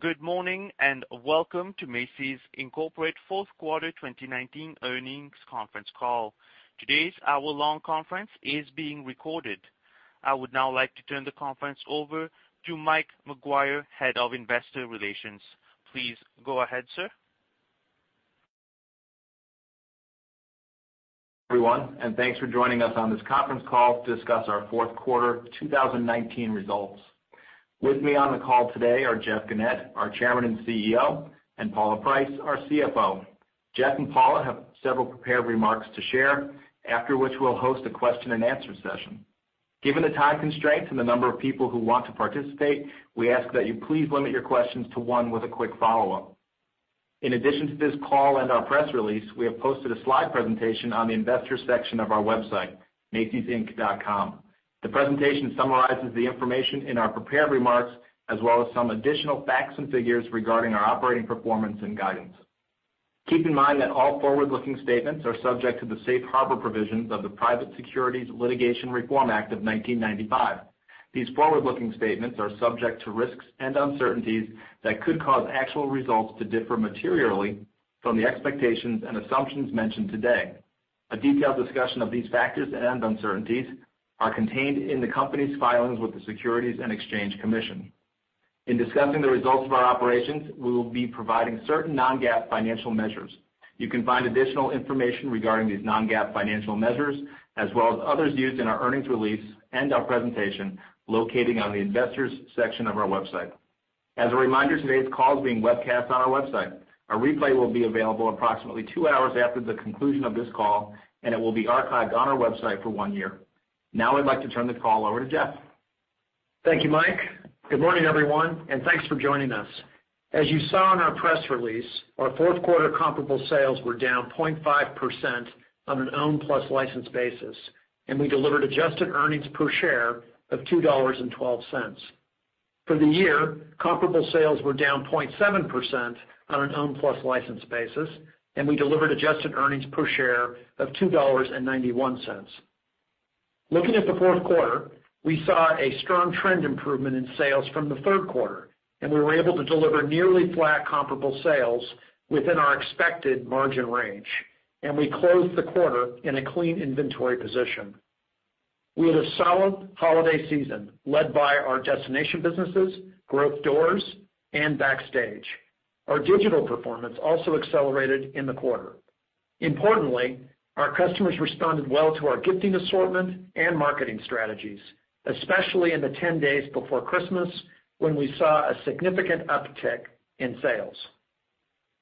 Good morning, welcome to Macy's, Inc. Fourth Quarter 2019 Earnings Conference Call. Today's hour-long conference is being recorded. I would now like to turn the conference over to Mike McGuire, Head of Investor Relations. Please go ahead, sir. Everyone, and thanks for joining us on this conference call to discuss our fourth quarter 2019 results. With me on the call today are Jeff Gennette, our Chairman and CEO, and Paula Price, our CFO. Jeff and Paula have several prepared remarks to share, after which we'll host a question-and-answer session. Given the time constraints and the number of people who want to participate, we ask that you please limit your questions to one with a quick follow-up. In addition to this call and our press release, we have posted a slide presentation on the investors section of our website, macysinc.com. The presentation summarizes the information in our prepared remarks, as well as some additional facts and figures regarding our operating performance and guidance. Keep in mind that all forward-looking statements are subject to the safe harbor provisions of the Private Securities Litigation Reform Act of 1995. These forward-looking statements are subject to risks and uncertainties that could cause actual results to differ materially from the expectations and assumptions mentioned today. A detailed discussion of these factors and uncertainties are contained in the company's filings with the Securities and Exchange Commission. In discussing the results of our operations, we will be providing certain non-GAAP financial measures. You can find additional information regarding these non-GAAP financial measures, as well as others used in our earnings release and our presentation located on the investors section of our website. As a reminder, today's call is being webcast on our website. A replay will be available approximately two hours after the conclusion of this call, and it will be archived on our website for one year. Now I'd like to turn the call over to Jeff. Thank you, Mike. Good morning, everyone, and thanks for joining us. As you saw in our press release, our fourth quarter comparable sales were down 0.5% on an owned plus licensed basis, and we delivered adjusted earnings per share of $2.12. For the year, comparable sales were down 0.7% on an owned plus licensed basis, and we delivered adjusted earnings per share of $2.91. Looking at the fourth quarter, we saw a strong trend improvement in sales from the third quarter, and we were able to deliver nearly flat comparable sales within our expected margin range. We closed the quarter in a clean inventory position. We had a solid holiday season led by our destination businesses, Growth Doors and Backstage. Our digital performance also accelerated in the quarter. Importantly, our customers responded well to our gifting assortment and marketing strategies, especially in the 10 days before Christmas, when we saw a significant uptick in sales.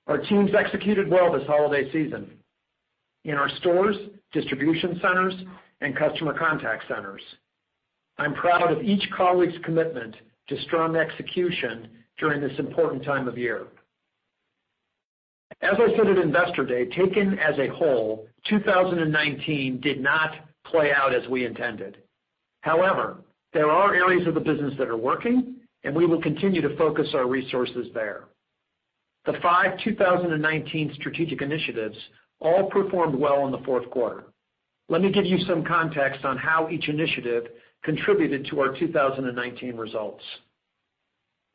Our teams executed well this holiday season in our stores, distribution centers, and customer contact centers. I'm proud of each colleague's commitment to strong execution during this important time of year. As I said at Investor Day, taken as a whole, 2019 did not play out as we intended. There are areas of the business that are working, and we will continue to focus our resources there. The five 2019 strategic initiatives all performed well in the fourth quarter. Let me give you some context on how each initiative contributed to our 2019 results.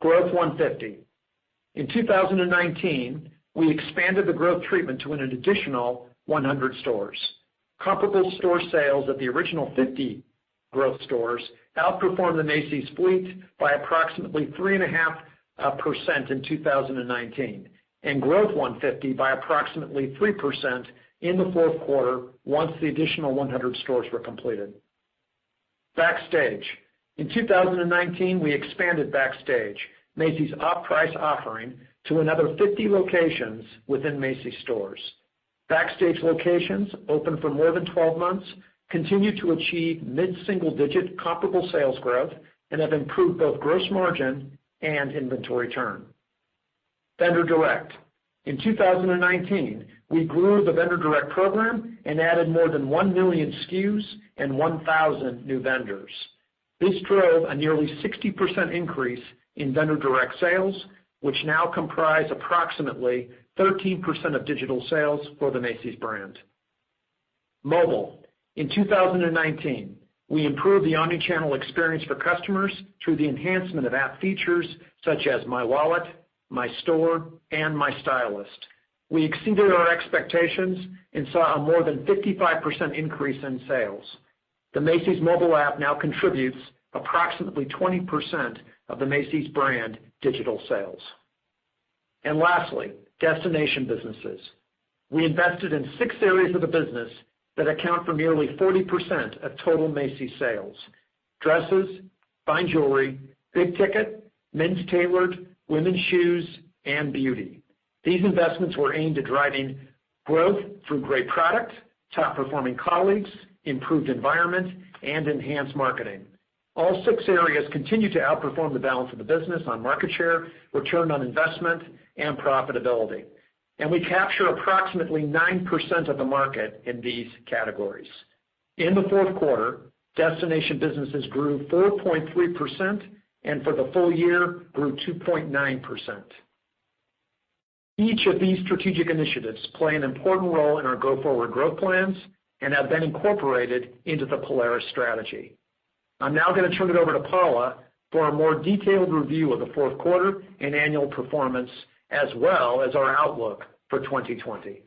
Growth 150. In 2019, we expanded the growth treatment to an additional 100 stores. Comparable store sales at the original 50 growth stores outperformed the Macy's fleet by approximately 3.5% in 2019, and Growth 150 by approximately 3% in the fourth quarter once the additional 100 stores were completed. Backstage. In 2019, we expanded Backstage, Macy's off-price offering, to another 50 locations within Macy's stores. Backstage locations open for more than 12 months continue to achieve mid-single-digit comparable sales growth and have improved both gross margin and inventory turn. Vendor Direct. In 2019, we grew the Vendor Direct program and added more than 1 million SKUs and 1,000 new vendors. This drove a nearly 60% increase in Vendor Direct sales, which now comprise approximately 13% of digital sales for the Macy's brand. Mobile. In 2019, we improved the omni-channel experience for customers through the enhancement of app features such as My Wallet, My Store, and My Stylist. We exceeded our expectations and saw a more than 55% increase in sales. The Macy's mobile app now contributes approximately 20% of the Macy's brand digital sales. Lastly, destination businesses. We invested in six areas of the business that account for nearly 40% of total Macy's sales. Dresses, fine jewelry, big ticket, men's tailored, women's shoes, and beauty. These investments were aimed at driving growth through great product, top-performing colleagues, improved environment, and enhanced marketing. All six areas continue to outperform the balance of the business on market share, return on investment, and profitability. We capture approximately 9% of the market in these categories. In the fourth quarter, destination businesses grew 4.3% and for the full year grew 2.9%. Each of these strategic initiatives play an important role in our go-forward growth plans and have been incorporated into the Polaris strategy. I'm now going to turn it over to Paula for a more detailed review of the fourth quarter and annual performance, as well as our outlook for 2020.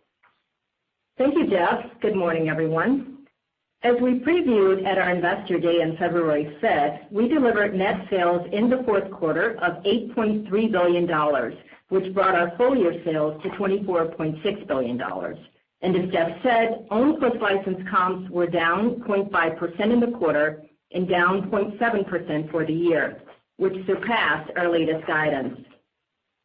Thank you, Jeff. Good morning, everyone. As we previewed at our Investor Day in February 5th, we delivered net sales in the fourth quarter of $8.3 billion, which brought our full-year sales to $24.6 billion. As Jeff said, own plus license comps were down 0.5% in the quarter and down 0.7% for the year, which surpassed our latest guidance.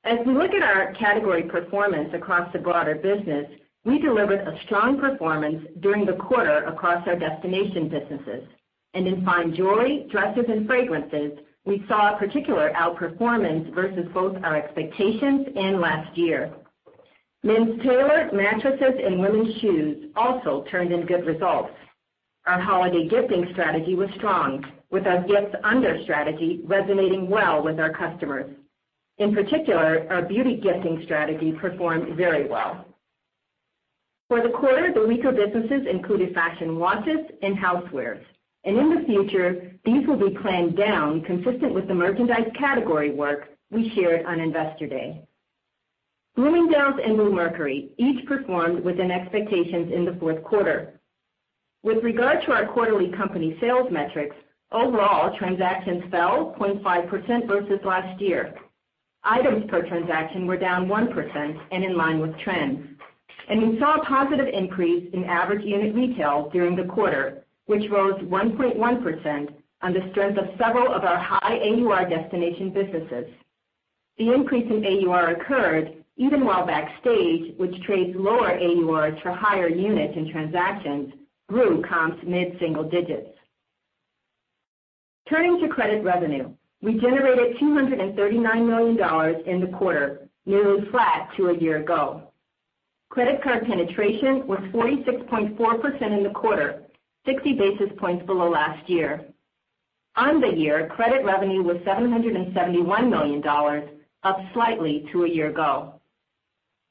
As we look at our category performance across the broader business, we delivered a strong performance during the quarter across our destination businesses. In fine jewelry, dresses, and fragrances, we saw a particular outperformance versus both our expectations and last year. Men's tailored mattresses and women's shoes also turned in good results. Our holiday gifting strategy was strong, with our gifts under strategy resonating well with our customers. In particular, our beauty gifting strategy performed very well. For the quarter, the weaker businesses included fashion watches and housewares. In the future, these will be planned down consistent with the merchandise category work we shared on Investor Day. Bloomingdale's and Bluemercury each performed within expectations in the fourth quarter. With regard to our quarterly company sales metrics, overall transactions fell 0.5% versus last year. Items per transaction were down 1% and in line with trends. We saw a positive increase in average unit retail during the quarter, which rose 1.1% on the strength of several of our high AUR destination businesses. The increase in AUR occurred even while Backstage, which trades lower AURs for higher units and transactions grew comps mid-single digits. Turning to credit revenue, we generated $239 million in the quarter, nearly flat to a year ago. Credit card penetration was 46.4% in the quarter, 60 basis points below last year. On the year, credit revenue was $771 million, up slightly to a year ago.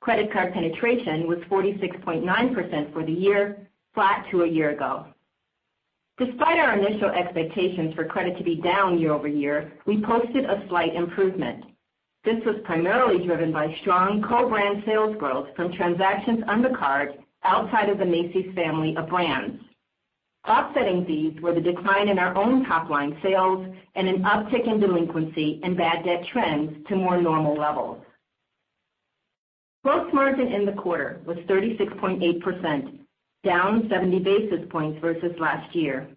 Credit card penetration was 46.9% for the year, flat to a year ago. Despite our initial expectations for credit to be down year-over-year, we posted a slight improvement. This was primarily driven by strong co-brand sales growth from transactions on the card outside of the Macy's family of brands. Offsetting these were the decline in our own top-line sales and an uptick in delinquency and bad debt trends to more normal levels. Gross margin in the quarter was 36.8%, down 70 basis points versus last year.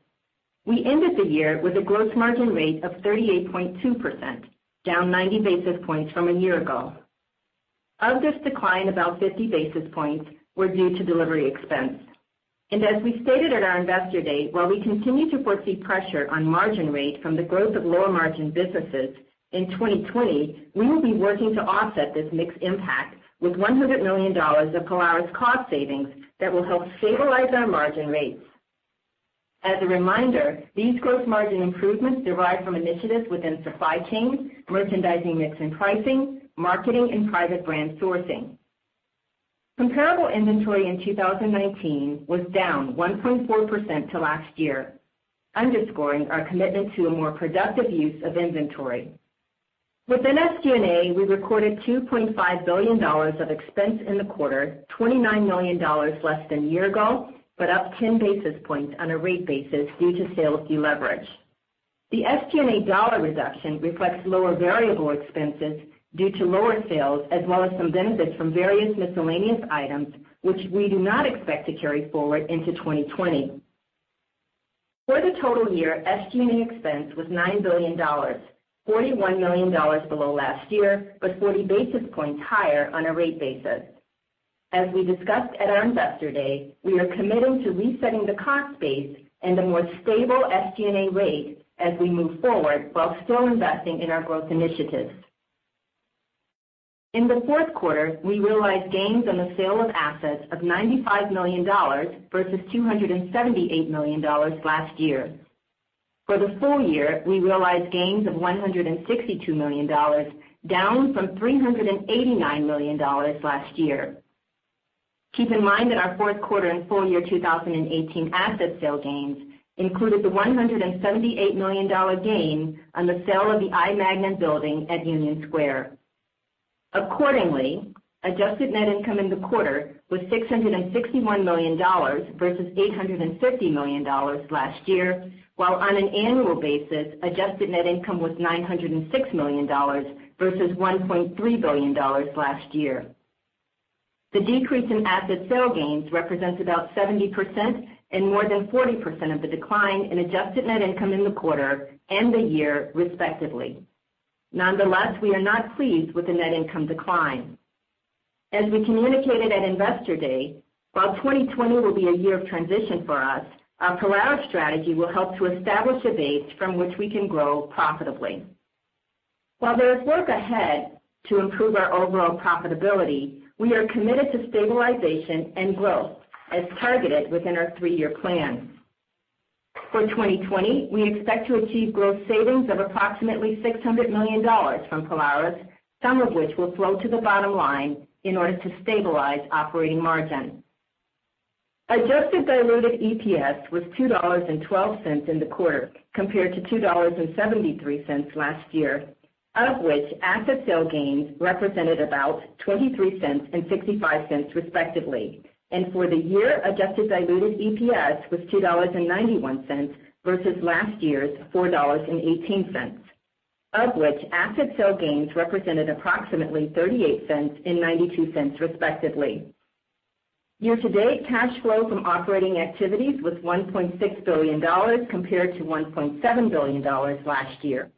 We ended the year with a gross margin rate of 38.2%, down 90 basis points from a year ago. Of this decline, about 50 basis points were due to delivery expense. As we stated at our Investor Day, while we continue to foresee pressure on margin rate from the growth of lower margin businesses, in 2020, we will be working to offset this mixed impact with $100 million of Polaris cost savings that will help stabilize our margin rates. As a reminder, these gross margin improvements derive from initiatives within supply chain, merchandising mix and pricing, marketing, and private brand sourcing. Comparable inventory in 2019 was down 1.4% to last year, underscoring our commitment to a more productive use of inventory. Within SG&A, we recorded $2.5 billion of expense in the quarter, $29 million less than a year ago, but up 10 basis points on a rate basis due to sales deleverage. The SG&A dollar reduction reflects lower variable expenses due to lower sales, as well as some benefits from various miscellaneous items, which we do not expect to carry forward into 2020. For the total year, SG&A expense was $9 billion, $41 million below last year, but 40 basis points higher on a rate basis. As we discussed at our Investor Day, we are committing to resetting the cost base and a more stable SG&A rate as we move forward while still investing in our growth initiatives. In the fourth quarter, we realized gains on the sale of assets of $95 million versus $278 million last year. For the full year, we realized gains of $162 million, down from $389 million last year. Keep in mind that our fourth quarter and full year 2018 asset sale gains included the $178 million gain on the sale of the I. Magnin building at Union Square. Accordingly, adjusted net income in the quarter was $661 million versus $850 million last year, while on an annual basis, adjusted net income was $906 million versus $1.3 billion last year. The decrease in asset sale gains represents about 70% and more than 40% of the decline in adjusted net income in the quarter and the year respectively. Nonetheless, we are not pleased with the net income decline. As we communicated at Investor Day, while 2020 will be a year of transition for us, our Polaris strategy will help to establish a base from which we can grow profitably. While there is work ahead to improve our overall profitability, we are committed to stabilization and growth as targeted within our three-year plan. For 2020, we expect to achieve growth savings of approximately $600 million from Polaris, some of which will flow to the bottom line in order to stabilize operating margin. Adjusted diluted EPS was $2.12 in the quarter, compared to $2.73 last year, of which asset sale gains represented about $0.23 and $0.65, respectively. For the year, adjusted diluted EPS was $2.91 versus last year's $4.18, of which asset sale gains represented approximately $0.38 and $0.92, respectively. Year-to-date cash flow from operating activities was $1.6 billion, compared to $1.7 billion last year.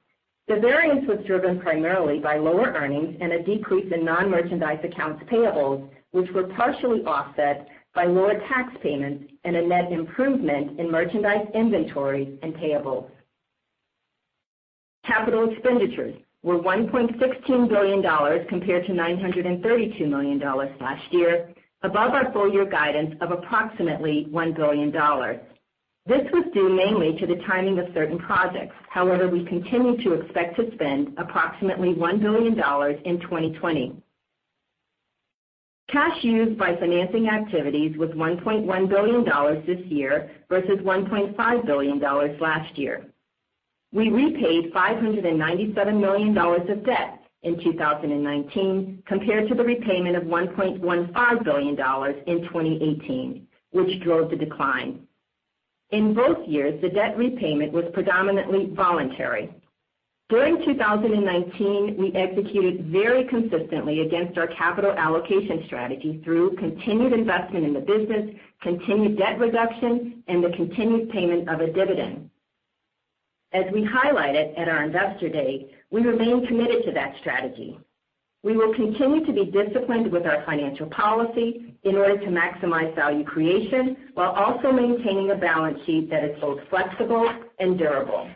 The variance was driven primarily by lower earnings and a decrease in non-merchandise accounts payables, which were partially offset by lower tax payments and a net improvement in merchandise inventory and payables. Capital expenditures were $1.16 billion, compared to $932 million last year, above our full-year guidance of approximately $1 billion. This was due mainly to the timing of certain projects. We continue to expect to spend approximately $1 billion in 2020. Cash used by financing activities was $1.1 billion this year versus $1.5 billion last year. We repaid $597 million of debt in 2019 compared to the repayment of $1.15 billion in 2018, which drove the decline. In both years, the debt repayment was predominantly voluntary. During 2019, we executed very consistently against our capital allocation strategy through continued investment in the business, continued debt reduction, and the continued payment of a dividend. As we highlighted at our Investor Day, we remain committed to that strategy. We will continue to be disciplined with our financial policy in order to maximize value creation while also maintaining a balance sheet that is both flexible and durable.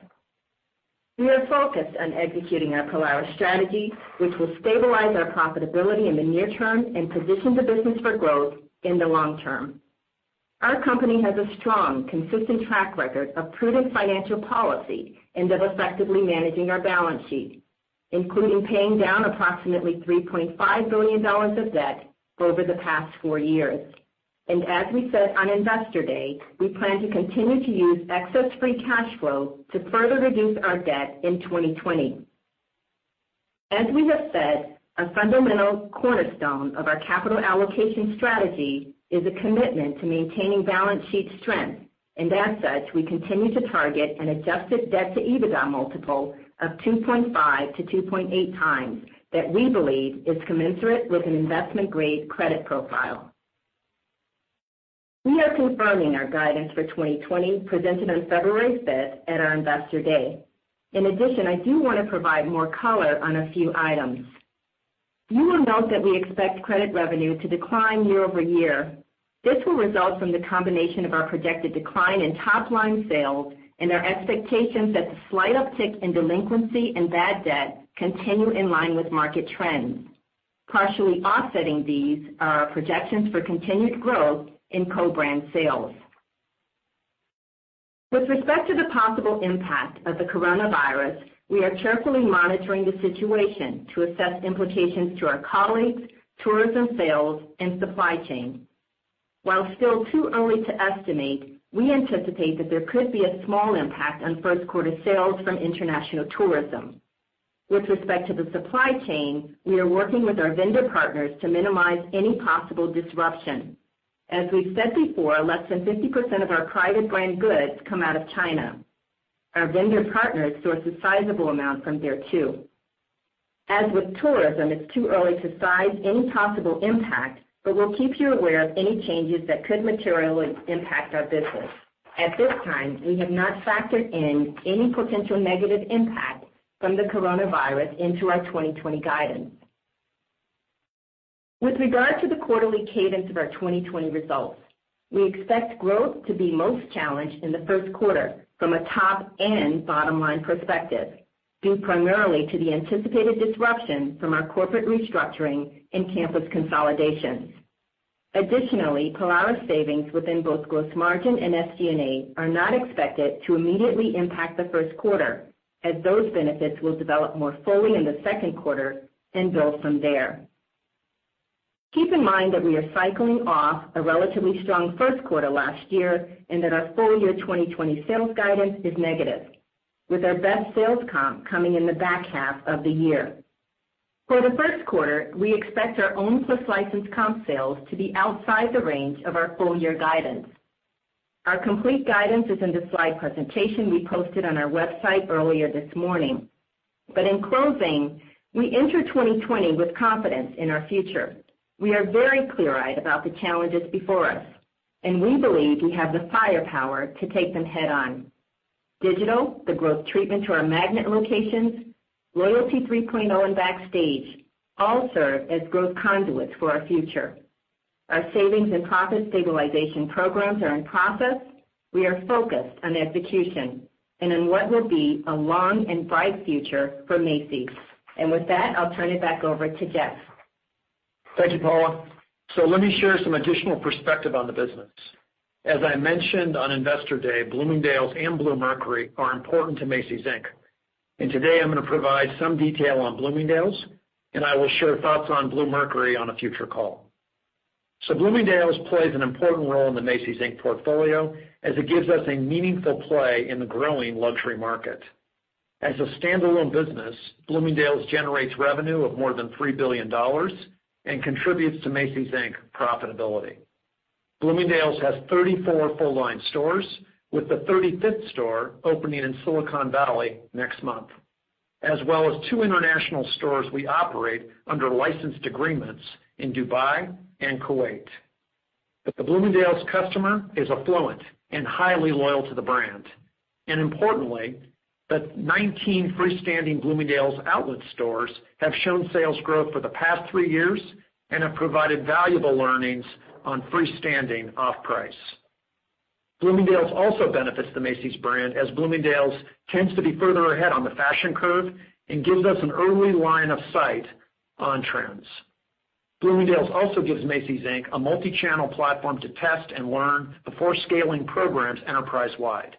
We are focused on executing our Polaris strategy, which will stabilize our profitability in the near term and position the business for growth in the long term. Our company has a strong, consistent track record of prudent financial policy and of effectively managing our balance sheet, including paying down approximately $3.5 billion of debt over the past four years. As we said on Investor Day, we plan to continue to use excess free cash flow to further reduce our debt in 2020. As we have said, a fundamental cornerstone of our capital allocation strategy is a commitment to maintaining balance sheet strength. As such, we continue to target an adjusted debt-to-EBITDA multiple of 2.5x-2.8x that we believe is commensurate with an investment-grade credit profile. We are confirming our guidance for 2020 presented on February 5th at our Investor Day. In addition, I do want to provide more color on a few items. You will note that we expect credit revenue to decline year-over-year. This will result from the combination of our projected decline in top-line sales and our expectations that the slight uptick in delinquency and bad debt continue in line with market trends. Partially offsetting these are our projections for continued growth in co-brand sales. With respect to the possible impact of the coronavirus, we are carefully monitoring the situation to assess implications to our colleagues, tourism sales, and supply chain. While still too early to estimate, we anticipate that there could be a small impact on first-quarter sales from international tourism. With respect to the supply chain, we are working with our vendor partners to minimize any possible disruption. As we've said before, less than 50% of our private brand goods come out of China. Our vendor partners source a sizable amount from there, too. As with tourism, it's too early to size any possible impact, but we'll keep you aware of any changes that could materially impact our business. At this time, we have not factored in any potential negative impact from the coronavirus into our 2020 guidance. With regard to the quarterly cadence of our 2020 results, we expect growth to be most challenged in the first quarter from a top and bottom-line perspective, due primarily to the anticipated disruption from our corporate restructuring and campus consolidations. Additionally, Polaris savings within both gross margin and SG&A are not expected to immediately impact the first quarter, as those benefits will develop more fully in the second quarter and build from there. Keep in mind that we are cycling off a relatively strong first quarter last year and that our full-year 2020 sales guidance is negative, with our best sales comp coming in the back half of the year. For the first quarter, we expect our own plus licensed comp sales to be outside the range of our full-year guidance. Our complete guidance is in the slide presentation we posted on our website earlier this morning. In closing, we enter 2020 with confidence in our future. We are very clear-eyed about the challenges before us, and we believe we have the firepower to take them head-on. Digital, the growth treatment to our magnet locations, Loyalty 3.0, and Backstage all serve as growth conduits for our future. Our savings and profit stabilization programs are in process. We are focused on execution and on what will be a long and bright future for Macy's. With that, I'll turn it back over to Jeff. Thank you, Paula. Let me share some additional perspective on the business. As I mentioned on Investor Day, Bloomingdale's and Bluemercury are important to Macy's Inc. Today, I'm going to provide some detail on Bloomingdale's, and I will share thoughts on Bluemercury on a future call. Bloomingdale's plays an important role in the Macy's Inc. portfolio as it gives us a meaningful play in the growing luxury market. As a standalone business, Bloomingdale's generates revenue of more than $3 billion and contributes to Macy's Inc. profitability. Bloomingdale's has 34 full-line stores, with the 35th store opening in Silicon Valley next month. As well as two international stores we operate under licensed agreements in Dubai and Kuwait. The Bloomingdale's customer is affluent and highly loyal to the brand. Importantly, the 19 freestanding Bloomingdale's outlet stores have shown sales growth for the past three years and have provided valuable learnings on freestanding off-price. Bloomingdale's also benefits the Macy's brand as Bloomingdale's tends to be further ahead on the fashion curve and gives us an early line of sight on trends. Bloomingdale's also gives Macy's, Inc. a multi-channel platform to test and learn before scaling programs enterprise-wide.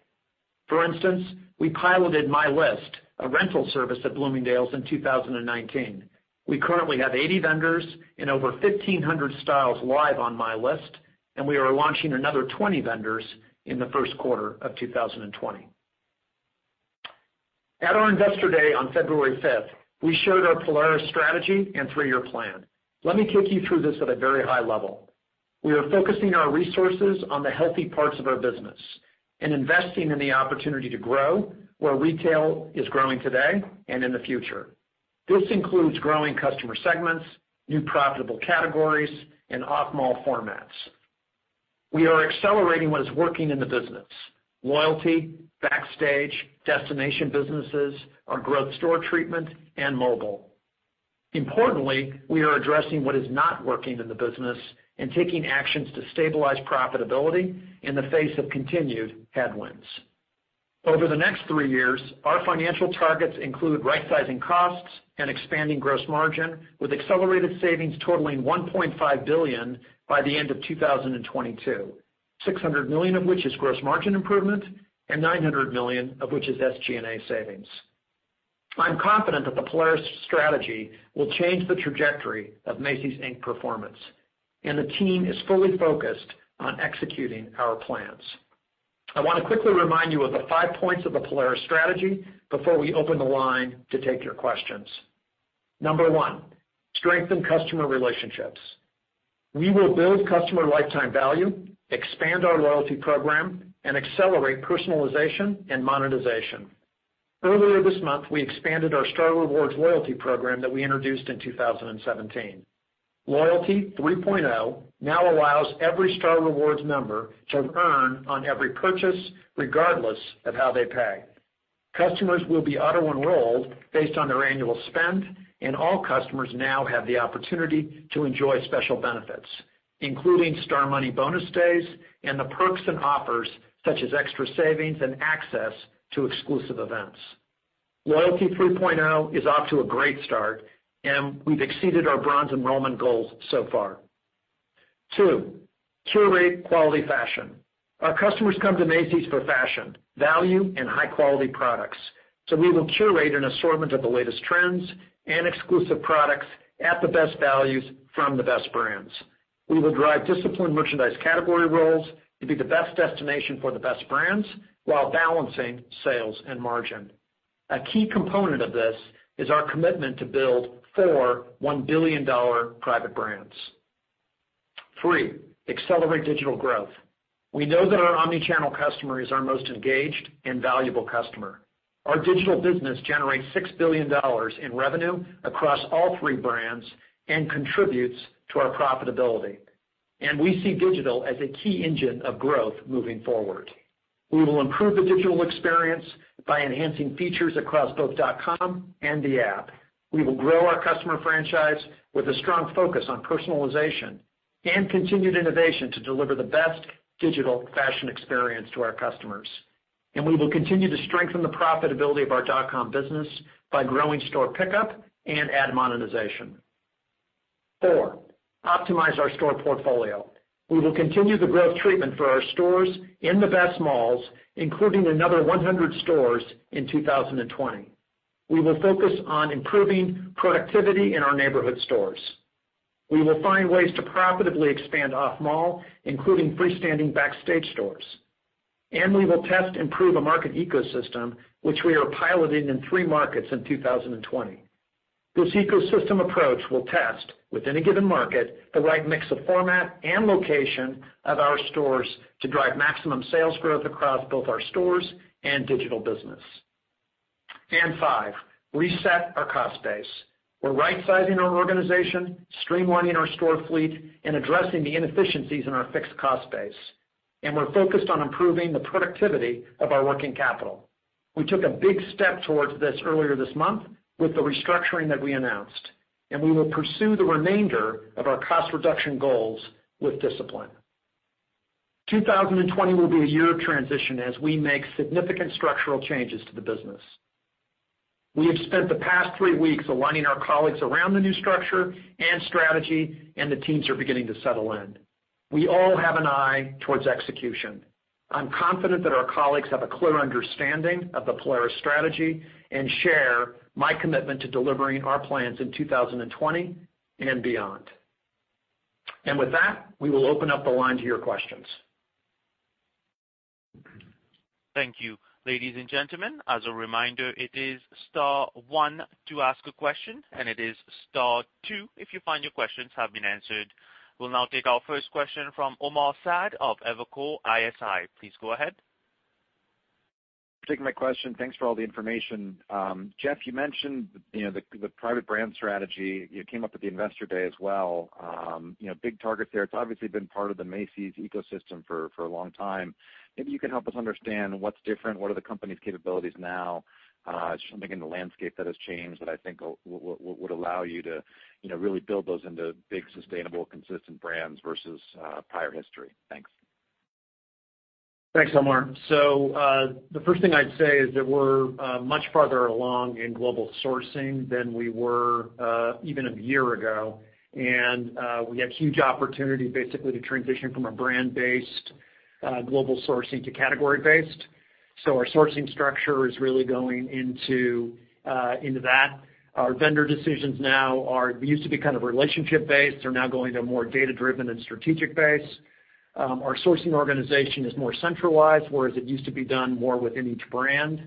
For instance, we piloted My List, a rental service at Bloomingdale's in 2019. We currently have 80 vendors and over 1,500 styles live on My List, and we are launching another 20 vendors in the first quarter of 2020. At our Investor Day on February 5th, we showed our Polaris strategy and three-year plan. Let me take you through this at a very high level. We are focusing our resources on the healthy parts of our business and investing in the opportunity to grow where retail is growing today and in the future. This includes growing customer segments, new profitable categories, and off-mall formats. We are accelerating what is working in the business: loyalty, Backstage, destination businesses, our Growth store treatment, and mobile. Importantly, we are addressing what is not working in the business and taking actions to stabilize profitability in the face of continued headwinds. Over the next three years, our financial targets include rightsizing costs and expanding gross margin with accelerated savings totaling $1.5 billion by the end of 2022. $600 million of which is gross margin improvement and $900 million of which is SG&A savings. I'm confident that the Polaris strategy will change the trajectory of Macy's, Inc. performance, and the team is fully focused on executing our plans. I want to quickly remind you of the five points of the Polaris strategy before we open the line to take your questions. Number one, strengthen customer relationships. We will build customer lifetime value, expand our loyalty program, and accelerate personalization and monetization. Earlier this month, we expanded our Star Rewards loyalty program that we introduced in 2017. Loyalty 3.0 now allows every Star Rewards member to earn on every purchase regardless of how they pay. Customers will be auto-enrolled based on their annual spend, and all customers now have the opportunity to enjoy special benefits, including Star Money bonus days and the perks and offers such as extra savings and access to exclusive events. Loyalty 3.0 is off to a great start, and we've exceeded our bronze enrollment goals so far. Two, curate quality fashion. Our customers come to Macy's for fashion, value, and high-quality products. We will curate an assortment of the latest trends and exclusive products at the best values from the best brands. We will drive disciplined merchandise category roles to be the best destination for the best brands while balancing sales and margin. A key component of this is our commitment to build four $1 billion private brands. Three, accelerate digital growth. We know that our omnichannel customer is our most engaged and valuable customer. Our digital business generates $6 billion in revenue across all three brands and contributes to our profitability. We see digital as a key engine of growth moving forward. We will improve the digital experience by enhancing features across both .com and the app. We will grow our customer franchise with a strong focus on personalization and continued innovation to deliver the best digital fashion experience to our customers. We will continue to strengthen the profitability of our .com business by growing store pickup and ad monetization. Four, optimize our store portfolio. We will continue the Growth treatment for our stores in the best malls, including another 100 stores in 2020. We will focus on improving productivity in our neighborhood stores. We will find ways to profitably expand off-mall, including freestanding Backstage stores. We will test and prove a market ecosystem which we are piloting in three markets in 2020. This ecosystem approach will test, within a given market, the right mix of format and location of our stores to drive maximum sales growth across both our stores and digital business. Five, reset our cost base. We're rightsizing our organization, streamlining our store fleet, and addressing the inefficiencies in our fixed cost base. We're focused on improving the productivity of our working capital. We took a big step towards this earlier this month with the restructuring that we announced. We will pursue the remainder of our cost reduction goals with discipline. 2020 will be a year of transition as we make significant structural changes to the business. We have spent the past three weeks aligning our colleagues around the new structure and strategy, and the teams are beginning to settle in. We all have an eye towards execution. I'm confident that our colleagues have a clear understanding of the Polaris strategy and share my commitment to delivering our plans in 2020 and beyond. With that, we will open up the line to your questions. Thank you. Ladies and gentlemen, as a reminder, it is star one to ask a question, and it is star two if you find your questions have been answered. We'll now take our first question from Omar Saad of Evercore ISI. Please go ahead. Taking my question. Thanks for all the information. Jeff, you mentioned the private brand strategy. It came up at the Investor Day as well. Big targets there. It's obviously been part of the Macy's ecosystem for a long time. Maybe you can help us understand what's different, what are the company's capabilities now? Something in the landscape that has changed that I think would allow you to really build those into big, sustainable, consistent brands versus prior history. Thanks. Thanks, Omar. The first thing I'd say is that we're much farther along in global sourcing than we were even a year ago. We have huge opportunity, basically, to transition from a brand-based global sourcing to category based. Our sourcing structure is really going into that. Our vendor decisions now used to be kind of relationship based, are now going to more data-driven and strategic base. Our sourcing organization is more centralized, whereas it used to be done more within each brand.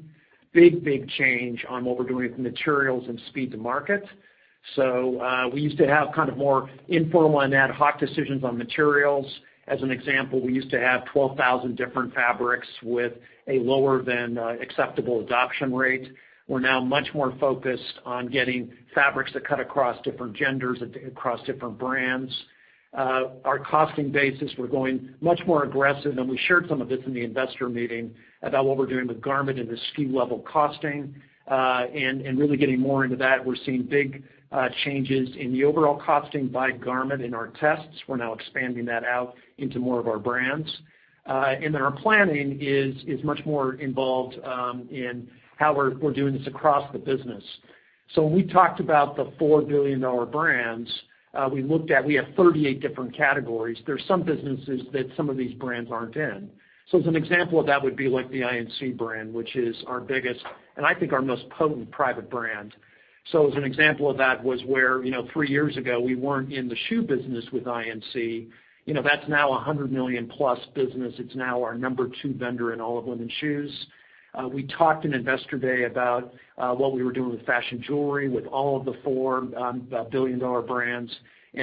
Big change on what we're doing with materials and speed to market. We used to have more informal and ad hoc decisions on materials. As an example, we used to have 12,000 different fabrics with a lower than acceptable adoption rate. We're now much more focused on getting fabrics that cut across different genders, across different brands. Our costing basis, we're going much more aggressive. We shared some of this in the investor meeting about what we're doing with garment and the SKU level costing. Really getting more into that. We're seeing big changes in the overall costing by garment in our tests. We're now expanding that out into more of our brands. Our planning is much more involved in how we're doing this across the business. When we talked about the $4 billion brands, we looked at, we have 38 different categories. There's some businesses that some of these brands aren't in. As an example of that would be like the I.N.C. brand, which is our biggest and I think our most potent private brand. As an example of that was where three years ago, we weren't in the shoe business with I.N.C. That's now a $100+ million business. It's now our number two vendor in all of women's shoes. We talked in Investor Day about what we were doing with fashion jewelry with all of the $4 billion-dollar brands,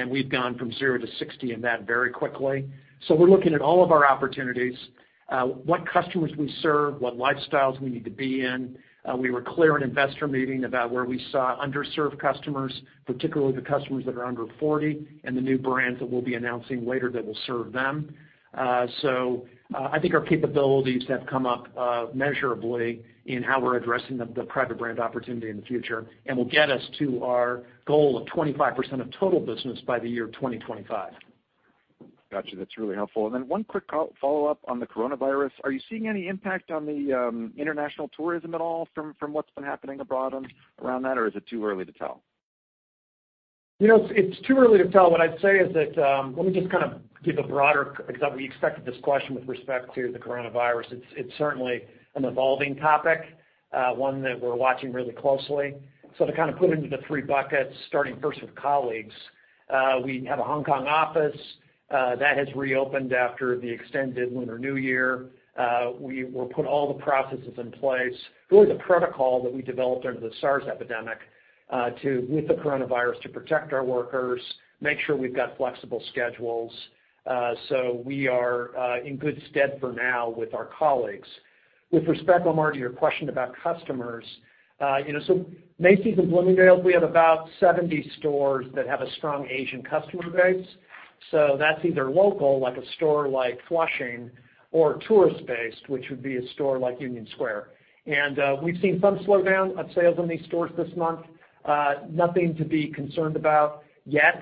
we've gone from zero to 60 in that very quickly. We're looking at all of our opportunities, what customers we serve, what lifestyles we need to be in. We were clear in investor meeting about where we saw underserved customers, particularly the customers that are under 40, the new brands that we'll be announcing later that will serve them. I think our capabilities have come up measurably in how we're addressing the private brand opportunity in the future and will get us to our goal of 25% of total business by the year 2025. Got you. That's really helpful. One quick follow-up on the coronavirus. Are you seeing any impact on the international tourism at all from what's been happening abroad around that, or is it too early to tell? It's too early to tell. What I'd say is that let me just kind of give a broader example. We expected this question with respect to the coronavirus. It's certainly an evolving topic, one that we're watching really closely. To kind of put it into the three buckets, starting first with colleagues. We have a Hong Kong office that has reopened after the extended Lunar New Year. We put all the processes in place, really the protocol that we developed under the SARS epidemic, with the coronavirus to protect our workers, make sure we've got flexible schedules. We are in good stead for now with our colleagues. With respect, Omar, to your question about customers. Macy's and Bloomingdale's, we have about 70 stores that have a strong Asian customer base. That's either local, like a store like Flushing, or tourist-based, which would be a store like Union Square. We've seen some slowdown of sales in these stores this month. Nothing to be concerned about yet.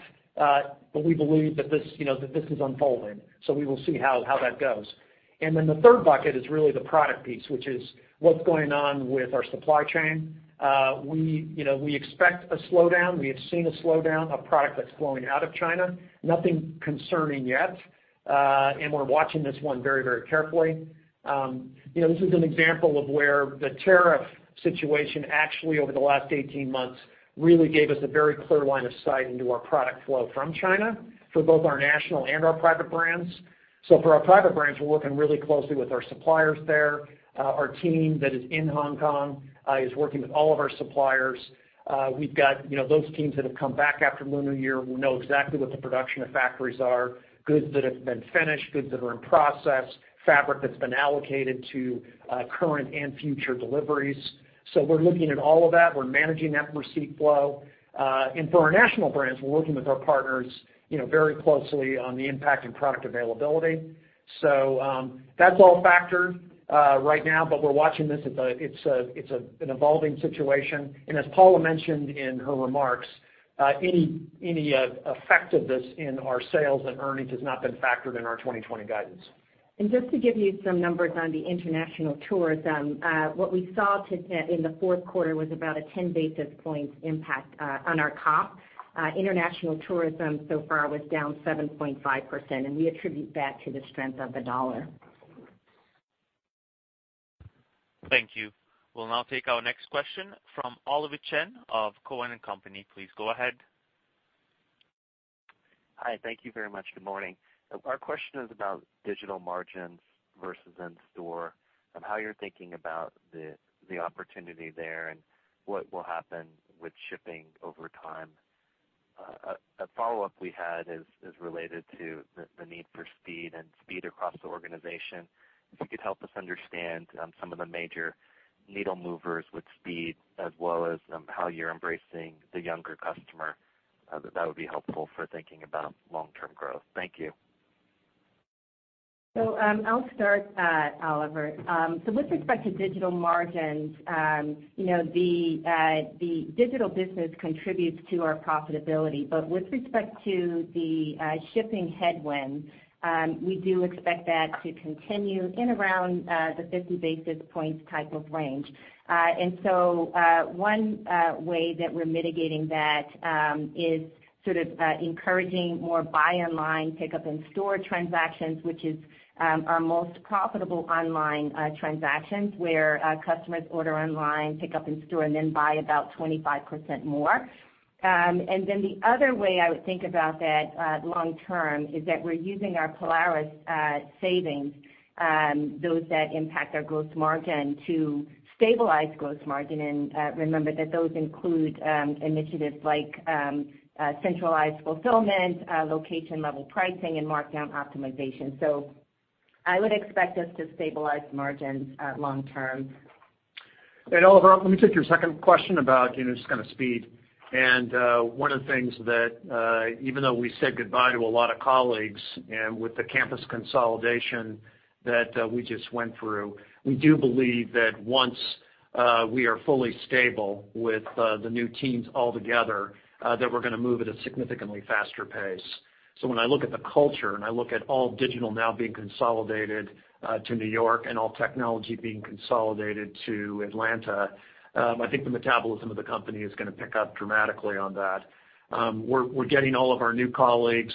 We believe that this is unfolding, so we will see how that goes. The third bucket is really the product piece, which is what's going on with our supply chain. We expect a slowdown. We have seen a slowdown of product that's flowing out of China. Nothing concerning yet. We're watching this one very carefully. This is an example of where the tariff situation actually over the last 18 months really gave us a very clear line of sight into our product flow from China for both our national and our private brands. For our private brands, we're working really closely with our suppliers there. Our team that is in Hong Kong is working with all of our suppliers. We've got those teams that have come back after Lunar New Year who know exactly what the production of factories are, goods that have been finished, goods that are in process, fabric that's been allocated to current and future deliveries. We're looking at all of that. We're managing that receipt flow. For our national brands, we're working with our partners very closely on the impact and product availability. That's all factored right now, but we're watching this. It's an evolving situation. As Paula mentioned in her remarks, any effect of this in our sales and earnings has not been factored in our 2020 guidance. Just to give you some numbers on the international tourism, what we saw in the fourth quarter was about a 10 basis points impact on our comp. International tourism so far was down 7.5%, and we attribute that to the strength of the dollar. Thank you. We'll now take our next question from Oliver Chen of Cowen and Company. Please go ahead. Hi. Thank you very much. Good morning. Our question is about digital margins versus in-store and how you're thinking about the opportunity there and what will happen with shipping over time. A follow-up we had is related to the need for speed and speed across the organization. If you could help us understand some of the major needle movers with speed as well as how you're embracing the younger customer, that would be helpful for thinking about long-term growth. Thank you. I'll start, Oliver. With respect to digital margins, the digital business contributes to our profitability. With respect to the shipping headwind, we do expect that to continue in around the 50 basis points type of range. One way that we're mitigating that is sort of encouraging more buy online, pickup in-store transactions, which is our most profitable online transactions, where customers order online, pick up in store, and then buy about 25% more. The other way I would think about that long term is that we're using our Polaris savings, those that impact our gross margin, to stabilize gross margin. Remember that those include initiatives like centralized fulfillment, location level pricing, and markdown optimization. I would expect us to stabilize margins long term. Oliver, let me take your second question about just kind of speed. One of the things that, even though we said goodbye to a lot of colleagues and with the campus consolidation that we just went through, we do believe that once we are fully stable with the new teams all together, that we're going to move at a significantly faster pace. When I look at the culture and I look at all digital now being consolidated to New York and all technology being consolidated to Atlanta, I think the metabolism of the company is going to pick up dramatically on that. We're getting all of our new colleagues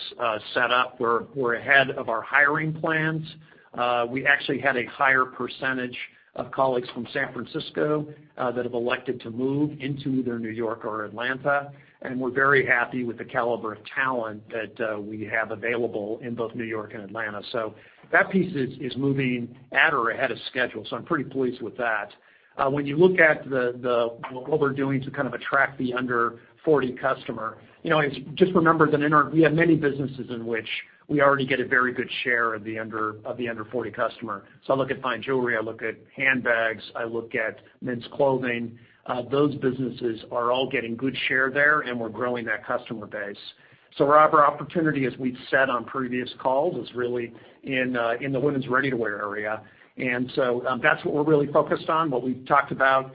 set up. We're ahead of our hiring plans. We actually had a higher percentage of colleagues from San Francisco that have elected to move into either New York or Atlanta, and we're very happy with the caliber of talent that we have available in both New York and Atlanta. That piece is moving at or ahead of schedule. I'm pretty pleased with that. When you look at what we're doing to kind of attract the under 40 customer, just remember that we have many businesses in which we already get a very good share of the under 40 customer. I look at fine jewelry, I look at handbags, I look at men's clothing. Those businesses are all getting good share there, and we're growing that customer base. Our opportunity, as we've said on previous calls, is really in the women's ready-to-wear area. That's what we're really focused on. What we've talked about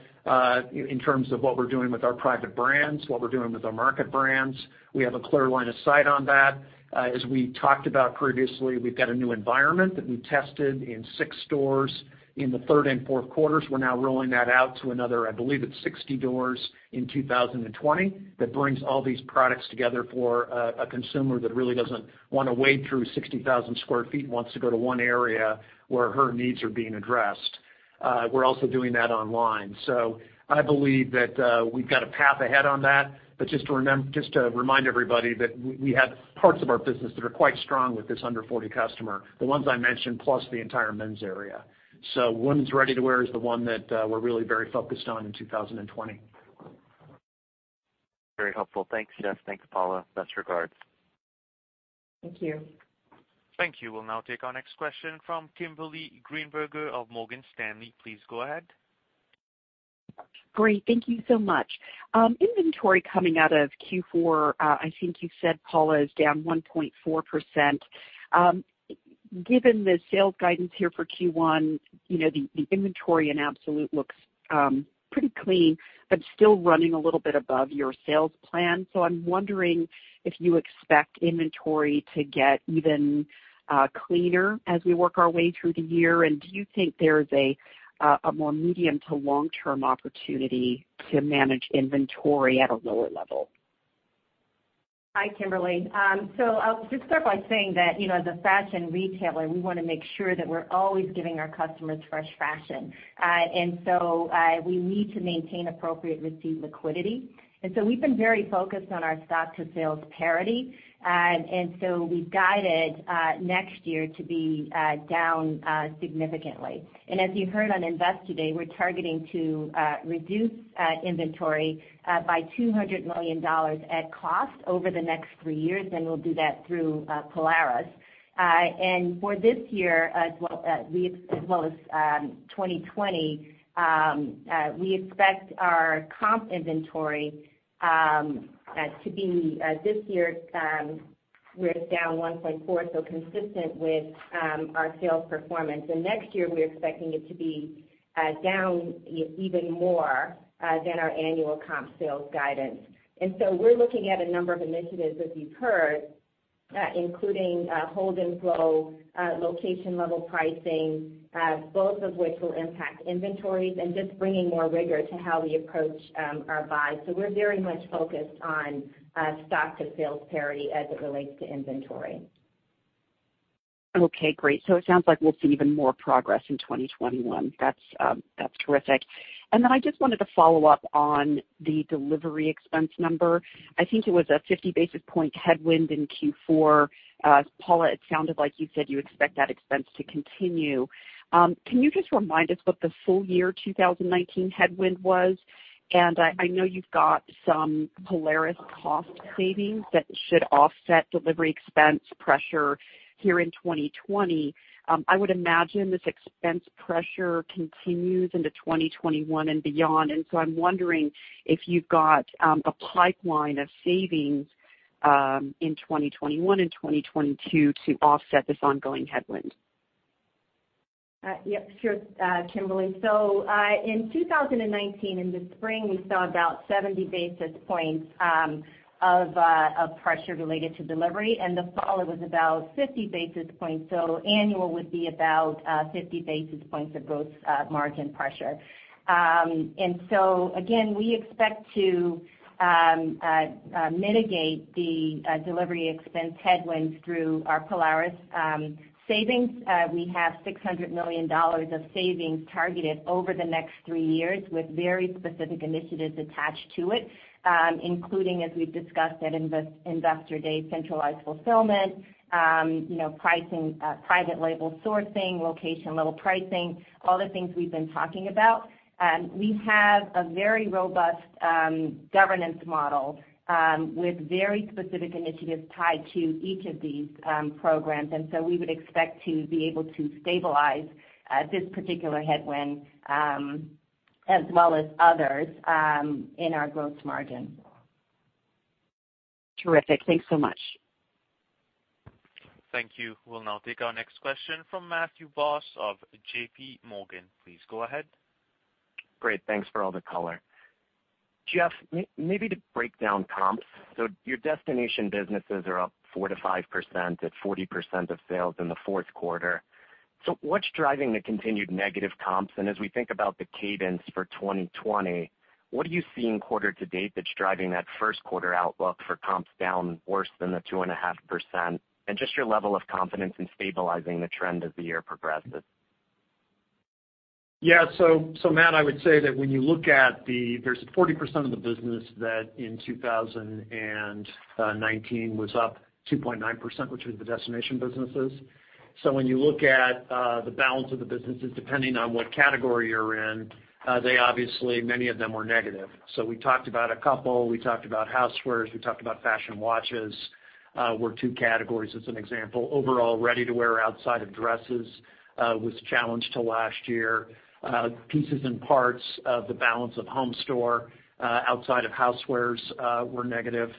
in terms of what we're doing with our private brands, what we're doing with our market brands. We have a clear line of sight on that. As we talked about previously, we've got a new environment that we tested in six stores in the third and fourth quarters. We're now rolling that out to another, I believe it's 60 stores in 2020. That brings all these products together for a consumer that really doesn't want to wade through 60,000 sq ft and wants to go to one area where her needs are being addressed. I believe that we've got a path ahead on that. But just to remind everybody that we have parts of our business that are quite strong with this under 40 customer, the ones I mentioned, plus the entire men's area. Women's ready-to-wear is the one that we're really very focused on in 2020. Very helpful. Thanks, Jeff. Thanks, Paula. Best regards. Thank you. Thank you. We'll now take our next question from Kimberly Greenberger of Morgan Stanley. Please go ahead. Great. Thank you so much. Inventory coming out of Q4, I think you said, Paula, is down 1.4%. Given the sales guidance here for Q1, the inventory in absolute looks pretty clean, but still running a little bit above your sales plan. I'm wondering if you expect inventory to get even cleaner as we work our way through the year. Do you think there is a more medium to long-term opportunity to manage inventory at a lower level? Hi, Kimberly. I'll just start by saying that as a fashion retailer, we want to make sure that we're always giving our customers fresh fashion. We need to maintain appropriate receipt liquidity. We've been very focused on our stock to sales parity. We've guided next year to be down significantly. As you heard on Invest today, we're targeting to reduce inventory by $200 million at cost over the next three years. We'll do that through Polaris. For this year as well as 2020, this year we're down 1.4%, so consistent with our sales performance. Next year, we're expecting it to be down even more than our annual comp sales guidance. We're looking at a number of initiatives, as you've heard, including hold and flow, location level pricing, both of which will impact inventories and just bringing more rigor to how we approach our buys. We're very much focused on stock to sales parity as it relates to inventory. Okay, great. It sounds like we'll see even more progress in 2021. That's terrific. Then I just wanted to follow up on the delivery expense number. I think it was a 50 basis points headwind in Q4. Paula, it sounded like you said you expect that expense to continue. Can you just remind us what the full year 2019 headwind was? I know you've got some Polaris cost savings that should offset delivery expense pressure here in 2020. I would imagine this expense pressure continues into 2021 and beyond. I'm wondering if you've got a pipeline of savings in 2021 and 2022 to offset this ongoing headwind. Sure, Kimberly. In 2019, in the spring, we saw about 70 basis points of pressure related to delivery. In the fall, it was about 50 basis points. Annual would be about 50 basis points of gross margin pressure. Again, we expect to mitigate the delivery expense headwinds through our Polaris savings. We have $600 million of savings targeted over the next three years with very specific initiatives attached to it, including, as we've discussed at Investor Day, centralized fulfillment, private label sourcing, location level pricing, all the things we've been talking about. We have a very robust governance model with very specific initiatives tied to each of these programs. We would expect to be able to stabilize this particular headwind, as well as others, in our gross margin. Terrific. Thanks so much. Thank you. We'll now take our next question from Matthew Boss of J.P. Morgan. Please go ahead. Great. Thanks for all the color. Jeff, maybe to break down comps. Your destination businesses are up 4%-5% at 40% of sales in the fourth quarter. What's driving the continued negative comps? As we think about the cadence for 2020, what are you seeing quarter to date that's driving that first quarter outlook for comps down worse than the 2.5%? Just your level of confidence in stabilizing the trend as the year progresses. Yeah. Matt, I would say that when you look at there's 40% of the business that in 2019 was up 2.9%, which was the destination businesses. When you look at the balance of the businesses, depending on what category you're in, they obviously, many of them were negative. We talked about a couple. We talked about housewares, we talked about fashion watches, were two categories as an example. Overall, ready to wear outside of dresses, was challenged to last year. Pieces and parts of the balance of home store, outside of housewares, were negative.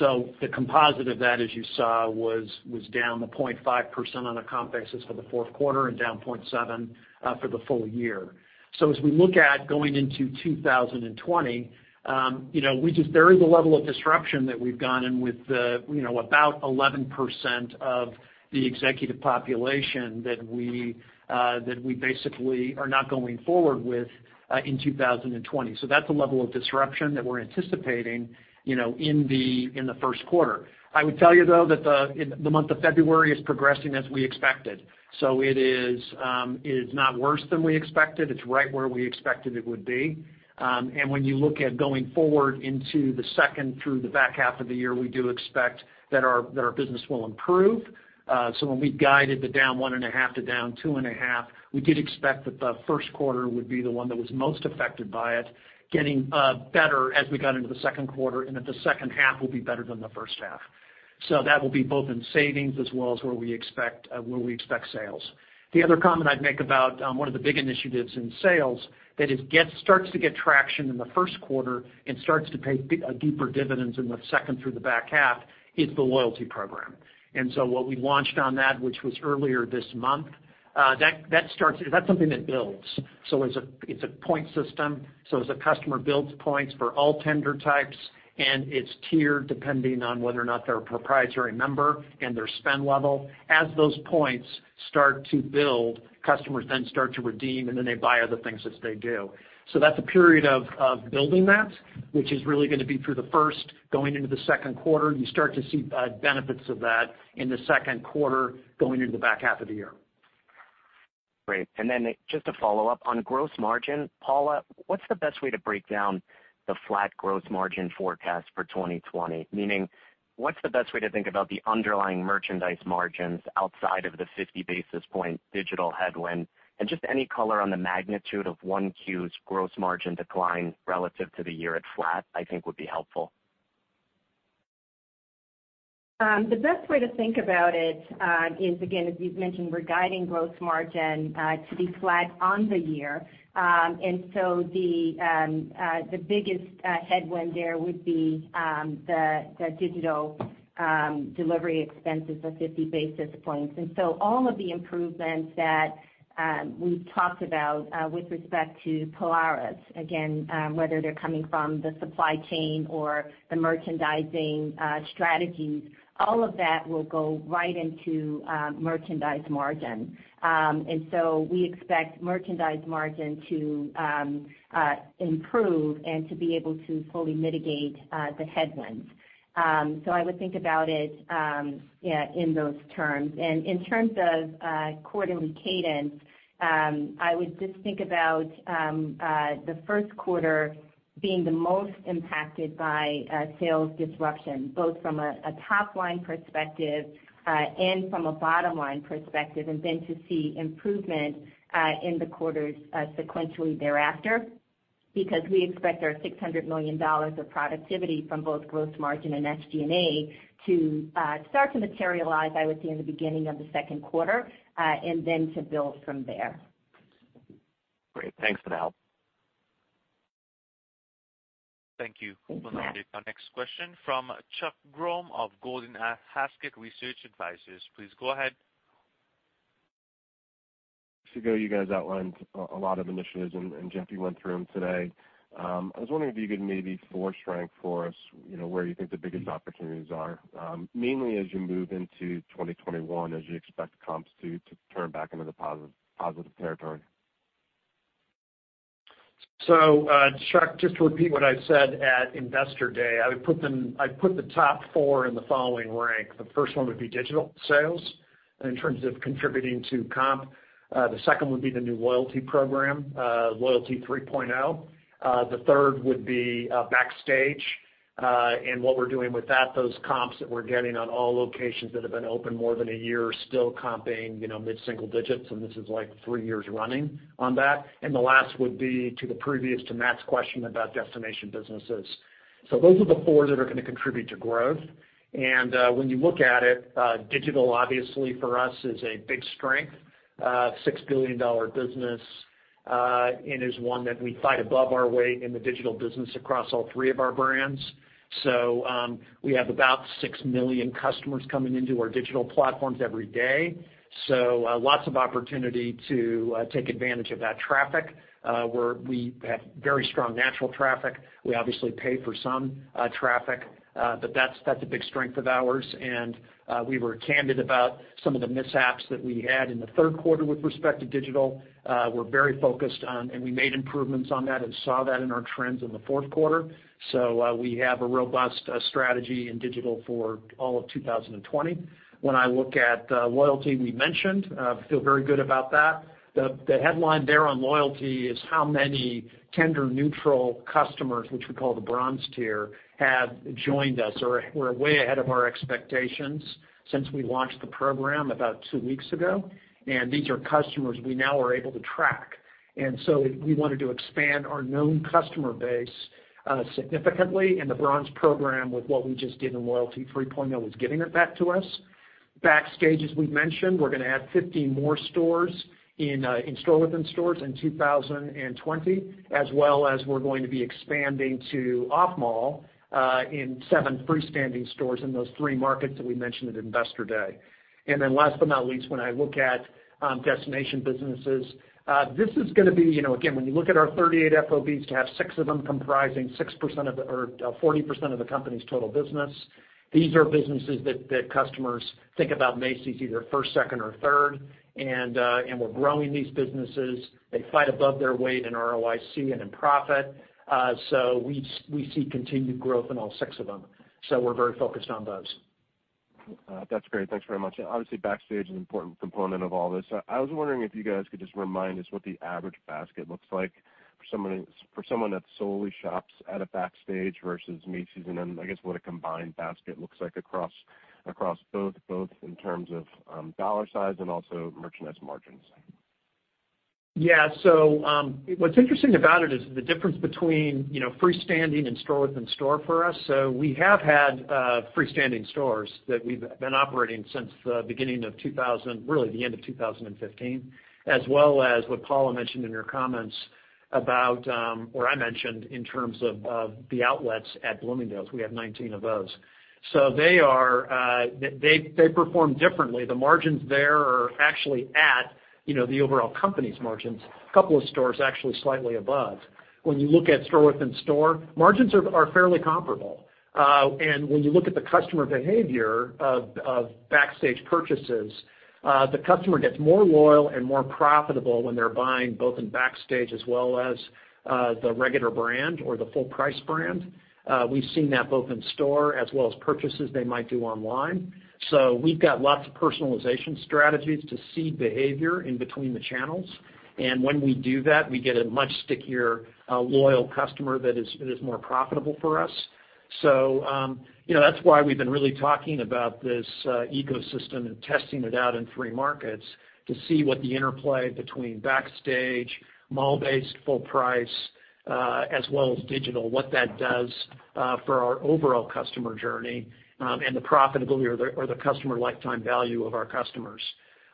The composite of that, as you saw, was down the 0.5% on a comp basis for the fourth quarter and down 0.7% for the full year. As we look at going into 2020, there is a level of disruption that we've gone in with about 11% of the executive population that we basically are not going forward with in 2020. That's a level of disruption that we're anticipating in the first quarter. I would tell you, though, that the month of February is progressing as we expected. It is not worse than we expected. It's right where we expected it would be. When you look at going forward into the second through the back half of the year, we do expect that our business will improve. When we guided the down 1.5% to down 2.5%, we did expect that the first quarter would be the one that was most affected by it, getting better as we got into the second quarter and that the second half will be better than the first half. That will be both in savings as well as where we expect sales. The other comment I'd make about one of the big initiatives in sales that starts to get traction in the first quarter and starts to pay deeper dividends in the second through the back half is the loyalty program. What we launched on that, which was earlier this month, that's something that builds. It's a point system. As a customer builds points for all tender types, and it's tiered depending on whether or not they're a proprietary member and their spend level. As those points start to build, customers then start to redeem, and then they buy other things as they do. That's a period of building that, which is really gonna be through the first, going into the second quarter. You start to see benefits of that in the second quarter, going into the back half of the year. Great. Just a follow-up on gross margin. Paula, what's the best way to break down the flat gross margin forecast for 2020? Meaning, what's the best way to think about the underlying merchandise margins outside of the 50 basis points digital headwind? Just any color on the magnitude of 1Q's gross margin decline relative to the year at flat, I think would be helpful. The best way to think about it is, again, as we've mentioned, we're guiding gross margin to be flat on the year. The biggest headwind there would be the digital delivery expenses of 50 basis points. All of the improvements that we've talked about with respect to Polaris, again, whether they're coming from the supply chain or the merchandising strategies, all of that will go right into merchandise margin. We expect merchandise margin to improve and to be able to fully mitigate the headwinds. I would think about it in those terms. In terms of quarterly cadence, I would just think about the first quarter being the most impacted by sales disruption, both from a top-line perspective and from a bottom-line perspective, and then to see improvement in the quarters sequentially thereafter, because we expect our $600 million of productivity from both gross margin and SG&A to start to materialize, I would say, in the beginning of the second quarter, and then to build from there. Great. Thanks for the help. Thank you. Our next question from Chuck Grom of Gordon Haskett Research Advisors. Please go ahead. Two ago, you guys outlined a lot of initiatives, and Jeff, you went through them today. I was wondering if you could maybe force rank for us where you think the biggest opportunities are, mainly as you move into 2021, as you expect comps to turn back into the positive territory. Chuck, just to repeat what I said at Investor Day, I would put the top four in the following rank. The first one would be digital sales in terms of contributing to comp. The second would be the new loyalty program, Loyalty 3.0. The third would be Backstage and what we are doing with that, those comps that we are getting on all locations that have been open more than a year, still comping mid-single digits, and this is like three years running on that. The last would be to the previous, to Matt's question about destination businesses. Those are the four that are going to contribute to growth. When you look at it, digital, obviously for us, is a big strength. A $6 billion business, is one that we fight above our weight in the digital business across all three of our brands. We have about 6 million customers coming into our digital platforms every day. Lots of opportunity to take advantage of that traffic. We have very strong natural traffic. We obviously pay for some traffic. That's a big strength of ours. We were candid about some of the mishaps that we had in the third quarter with respect to digital. We're very focused on, and we made improvements on that and saw that in our trends in the fourth quarter. We have a robust strategy in digital for all of 2020. When I look at loyalty, we mentioned, feel very good about that. The headline there on loyalty is how many tender neutral customers, which we call the Bronze Tier, have joined us or were way ahead of our expectations since we launched the program about two weeks ago. These are customers we now are able to track. We wanted to expand our known customer base significantly in the bronze program with what we just did in Loyalty 3.0 was giving it back to us. Backstage, as we mentioned, we're going to add 50 more stores in store within stores in 2020, as well as we're going to be expanding to off mall in seven freestanding stores in those three markets that we mentioned at Investor Day. Last but not least, when I look at destination businesses, this is going to be, again, when you look at our 38 FOBs, to have six of them comprising 40% of the company's total business. These are businesses that customers think about Macy's either first, second or third. We're growing these businesses. They fight above their weight in ROIC and in profit. We see continued growth in all six of them. We're very focused on those. That's great. Thanks very much. Obviously, Backstage is an important component of all this. I was wondering if you guys could just remind us what the average basket looks like for someone that solely shops at a Backstage versus Macy's, and then I guess what a combined basket looks like across both in terms of dollar size and also merchandise margins. What's interesting about it is the difference between freestanding and store within store for us. We have had freestanding stores that we've been operating since really the end of 2015, as well as what Paula mentioned in her comments or I mentioned in terms of the outlets at Bloomingdale's. We have 19 of those. They perform differently. The margins there are actually at the overall company's margins. A couple of stores actually slightly above. When you look at store within store, margins are fairly comparable. When you look at the customer behavior of Backstage purchases, the customer gets more loyal and more profitable when they're buying both in Backstage as well as the regular brand or the full price brand. We've seen that both in store as well as purchases they might do online. We've got lots of personalization strategies to see behavior in between the channels. When we do that, we get a much stickier, loyal customer that is more profitable for us. That's why we've been really talking about this ecosystem and testing it out in three markets to see what the interplay between Backstage, mall-based full price, as well as digital, what that does for our overall customer journey, and the profitability or the customer lifetime value of our customers.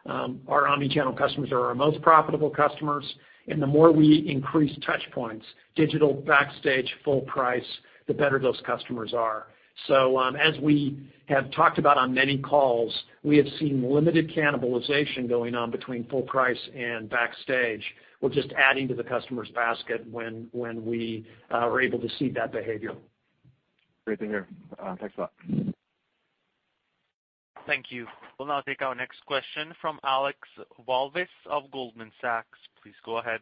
Our omni-channel customers are our most profitable customers. The more we increase touch points, digital Backstage full price, the better those customers are. As we have talked about on many calls, we have seen limited cannibalization going on between full price and Backstage. We're just adding to the customer's basket when we are able to see that behavior. Great to hear. Thanks a lot. Thank you. We'll now take our next question from Alex Walvis of Goldman Sachs. Please go ahead.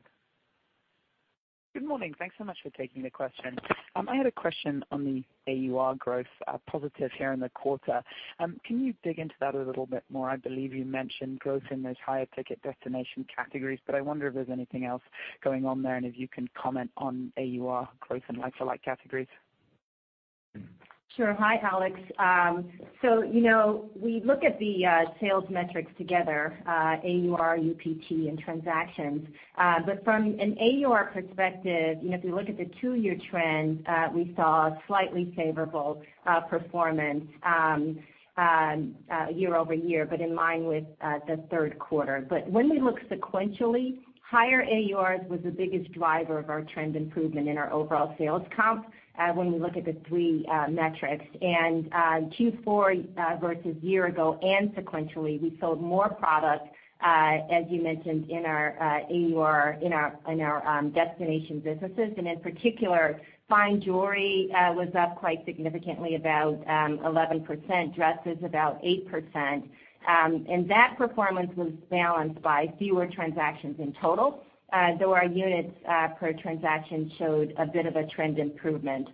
Good morning. Thanks so much for taking the question. I had a question on the AUR growth positive here in the quarter. Can you dig into that a little bit more? I believe you mentioned growth in those higher ticket destination categories, but I wonder if there's anything else going on there and if you can comment on AUR growth in like-for-like categories. Sure. Hi, Alex. We look at the sales metrics together, AUR, UPT, and transactions. From an AUR perspective, if we look at the two-year trend, we saw slightly favorable performance year-over-year, but in line with the third quarter. When we look sequentially, higher AURs was the biggest driver of our trend improvement in our overall sales comp, when we look at the three metrics. Q4 versus year ago and sequentially, we sold more product, as you mentioned in our AUR, in our destination businesses. In particular, fine jewelry was up quite significantly about 11%, dresses about 8%. That performance was balanced by fewer transactions in total, though our units per transaction showed a bit of a trend improvement.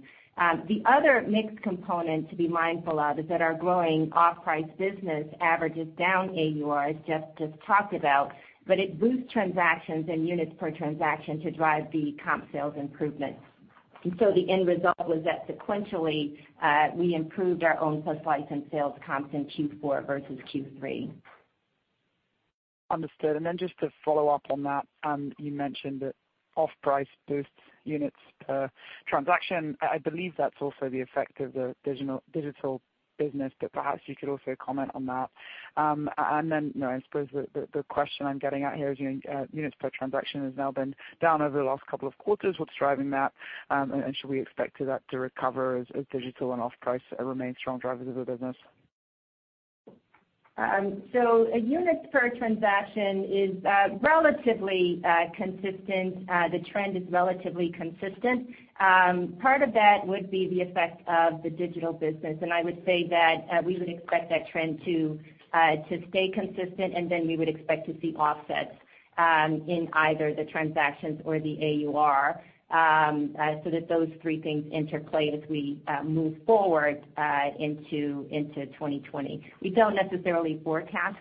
The other mixed component to be mindful of is that our growing off-price business averages down AURs, Jeff just talked about, but it boosts transactions and units per transaction to drive the comp sales improvement. The end result was that sequentially, we improved our own plus licensed sales comps in Q4 versus Q3. Understood. Just to follow up on that, you mentioned that off-price boosts units per transaction. I believe that's also the effect of the digital business, perhaps you could also comment on that. I suppose the question I'm getting at here is, units per transaction has now been down over the last couple of quarters. What's driving that? Should we expect that to recover as digital and off-price remain strong drivers of the business? Units per transaction is relatively consistent. The trend is relatively consistent. Part of that would be the effect of the digital business, I would say that we would expect that trend to stay consistent, we would expect to see offsets in either the transactions or the AUR, those three things interplay as we move forward into 2020. We don't necessarily forecast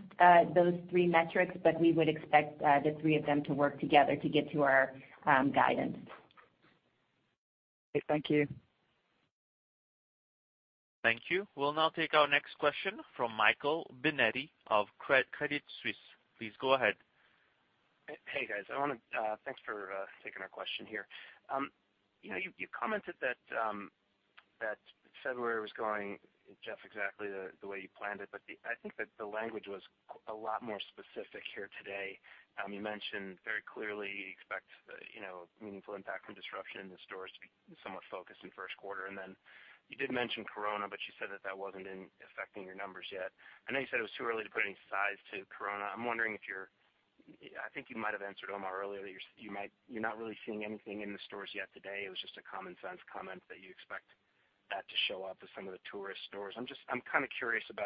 those three metrics, we would expect the three of them to work together to get to our guidance. Okay. Thank you. Thank you. We'll now take our next question from Michael Binetti of Credit Suisse. Please go ahead. Hey, guys. Thanks for taking our question here. You commented that February was going, Jeff, exactly the way you planned it, but I think that the language was a lot more specific here today. You mentioned very clearly you expect a meaningful impact from disruption in the stores to be somewhat focused in first quarter. You did mention Corona, but you said that that wasn't affecting your numbers yet. I know you said it was too early to put any size to Corona. I think you might have answered Omar earlier, that you're not really seeing anything in the stores yet today. It was just a common sense comment that you expect that to show up with some of the tourist stores. I'm kind of curious. It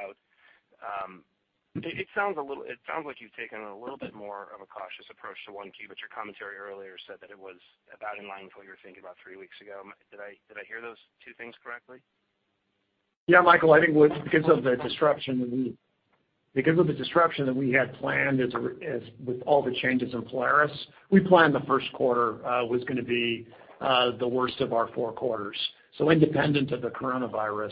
sounds like you've taken a little bit more of a cautious approach to Q1, but your commentary earlier said that it was about in line with what you were thinking about three weeks ago. Did I hear those two things correctly? Michael, I think because of the disruption that we had planned with all the changes in Polaris, we planned the first quarter was gonna be the worst of our four quarters. Independent of the coronavirus,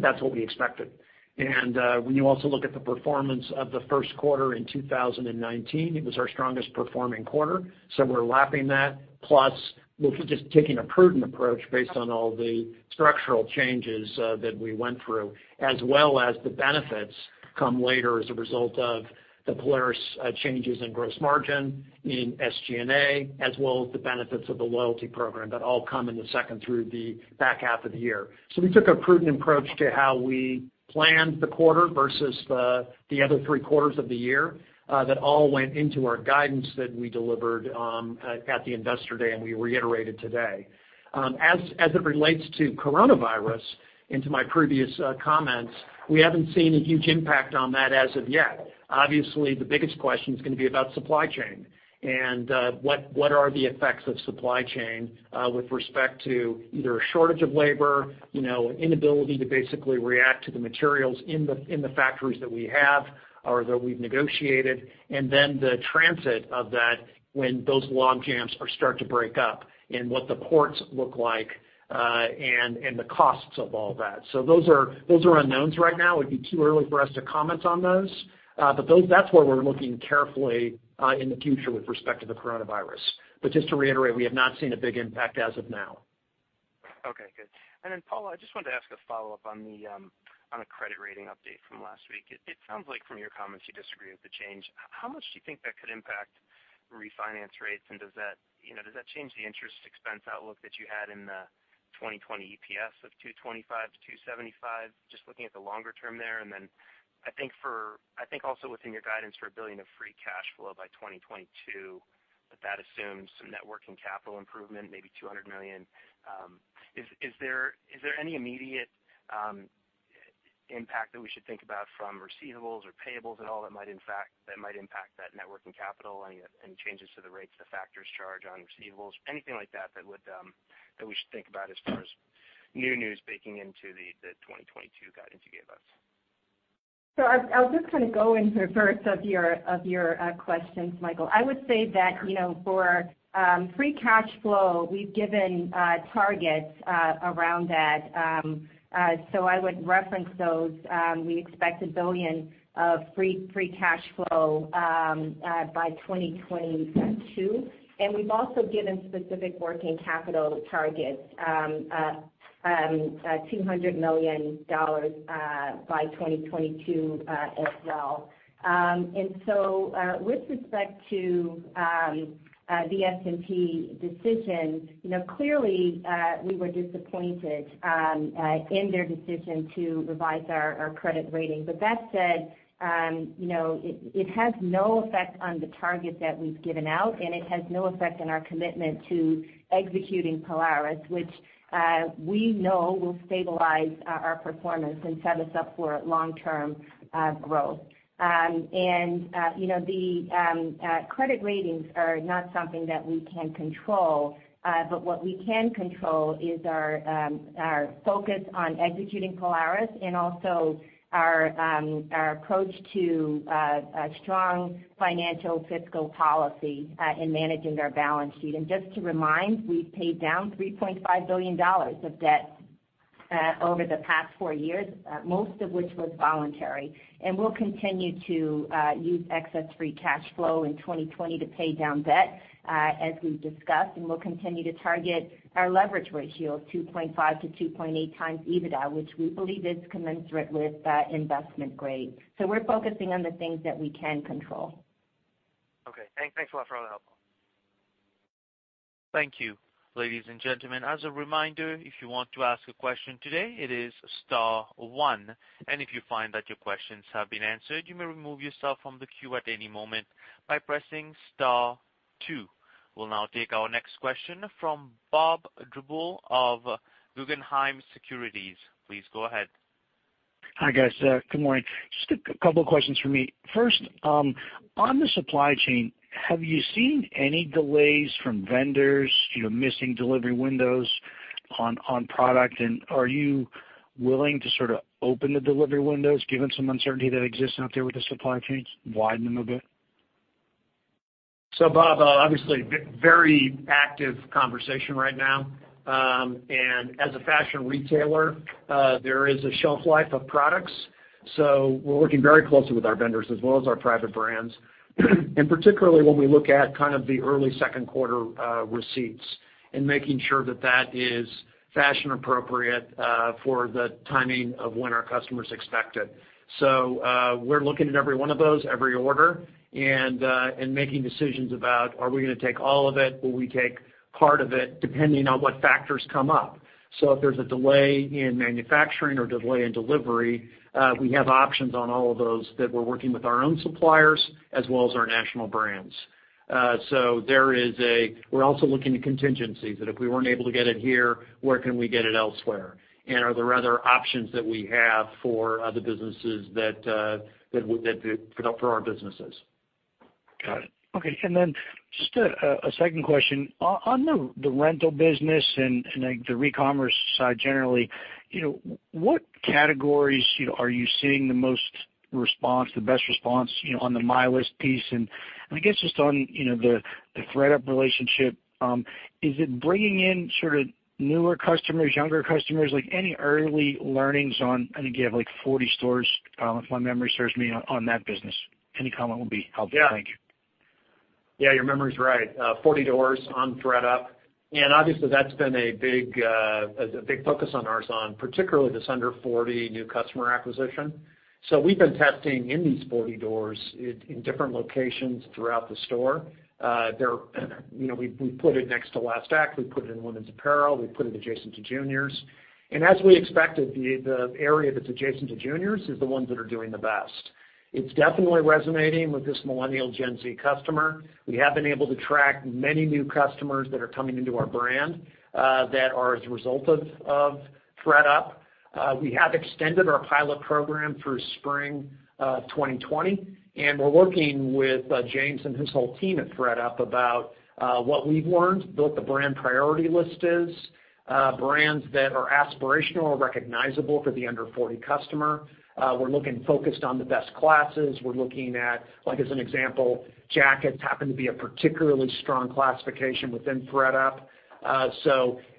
that's what we expected. When you also look at the performance of the first quarter in 2019, it was our strongest performing quarter. We're lapping that. Plus, we're just taking a prudent approach based on all the structural changes that we went through, as well as the benefits come later as a result of the Polaris changes in gross margin in SG&A, as well as the benefits of the loyalty program that all come in the second through the back half of the year. We took a prudent approach to how we planned the quarter versus the other three quarters of the year. That all went into our guidance that we delivered at the investor day, and we reiterated today. As it relates to coronavirus, into my previous comments, we haven't seen a huge impact on that as of yet. Obviously, the biggest question is gonna be about supply chain and what are the effects of supply chain with respect to either a shortage of labor, inability to basically react to the materials in the factories that we have or that we've negotiated, and then the transit of that when those log jams start to break up and what the ports look like, and the costs of all that. Those are unknowns right now. It'd be too early for us to comment on those. That's where we're looking carefully in the future with respect to the coronavirus. Just to reiterate, we have not seen a big impact as of now. Paula, I just wanted to ask a follow-up on the credit rating update from last week. It sounds like from your comments you disagree with the change. How much do you think that could impact refinance rates, and does that change the interest expense outlook that you had in the 2020 EPS of $2.25-$2.75? Just looking at the longer term there. I think also within your guidance for $1 billion of free cash flow by 2022, but that assumes some net working capital improvement, maybe $200 million. Is there any immediate impact that we should think about from receivables or payables at all that might impact that net working capital? Any changes to the rates the factors charge on receivables? Anything like that we should think about as far as new news baking into the 2022 guidance you gave us? I'll just kind of go in reverse of your questions, Michael. I would say that for free cash flow, we've given targets around that. I would reference those. We expect $1 billion of free cash flow by 2022. We've also given specific working capital targets, $200 million by 2022 as well. With respect to the S&P decision, clearly, we were disappointed in their decision to revise our credit rating. That said, it has no effect on the target that we've given out, and it has no effect on our commitment to executing Polaris, which we know will stabilize our performance and set us up for long-term growth. The credit ratings are not something that we can control. What we can control is our focus on executing Polaris and also our approach to a strong financial fiscal policy in managing our balance sheet. Just to remind, we've paid down $3.5 billion of debt over the past four years, most of which was voluntary. We'll continue to use excess free cash flow in 2020 to pay down debt as we've discussed, and we'll continue to target our leverage ratio of 2.5x-2.8x EBITDA, which we believe is commensurate with investment grade. We're focusing on the things that we can control. Okay. Thanks a lot for all the help. Thank you. Ladies and gentlemen, as a reminder, if you want to ask a question today, it is star one. If you find that your questions have been answered, you may remove yourself from the queue at any moment by pressing star two. We will now take our next question from Bob Drbul of Guggenheim Securities. Please go ahead. Hi, guys. Good morning. Just a couple of questions from me. First, on the supply chain, have you seen any delays from vendors, missing delivery windows on product? Are you willing to sort of open the delivery windows given some uncertainty that exists out there with the supply chains, widen them a bit? Bob, obviously, very active conversation right now. As a fashion retailer, there is a shelf life of products. We're working very closely with our vendors as well as our private brands. Particularly when we look at kind of the early second quarter receipts and making sure that that is fashion appropriate for the timing of when our customers expect it. We're looking at every one of those, every order, and making decisions about, are we going to take all of it? Will we take part of it, depending on what factors come up. If there's a delay in manufacturing or delay in delivery, we have options on all of those that we're working with our own suppliers as well as our national brands. We're also looking at contingencies that if we weren't able to get it here, where can we get it elsewhere? Are there other options that we have for other businesses that could help for our businesses? Got it. Okay, just a second question. On the rental business and the re-commerce side generally, what categories are you seeing the most response, the best response, on the My List piece? I guess just on the ThredUp relationship, is it bringing in sort of newer customers, younger customers? Like any early learnings on, I think you have like 40 stores, if my memory serves me, on that business. Any comment will be helpful. Thank you. Yeah. Your memory's right. 40 doors on ThredUp, obviously that's been a big focus on ours on particularly this under 40 new customer acquisition. We've been testing in these 40 doors in different locations throughout the store. We've put it next to Last Act, we've put it in women's apparel, we've put it adjacent to juniors. As we expected, the area that's adjacent to juniors is the ones that are doing the best. It's definitely resonating with this millennial Gen Z customer. We have been able to track many new customers that are coming into our brand that are as a result of ThredUp. We have extended our pilot program through spring 2020, and we're working with James and his whole team at ThredUp about what we've learned, built the brand priority list is. Brands that are aspirational or recognizable for the under 40 customer. We're looking focused on the best classes. We're looking at, like as an example, jackets happen to be a particularly strong classification within ThredUp.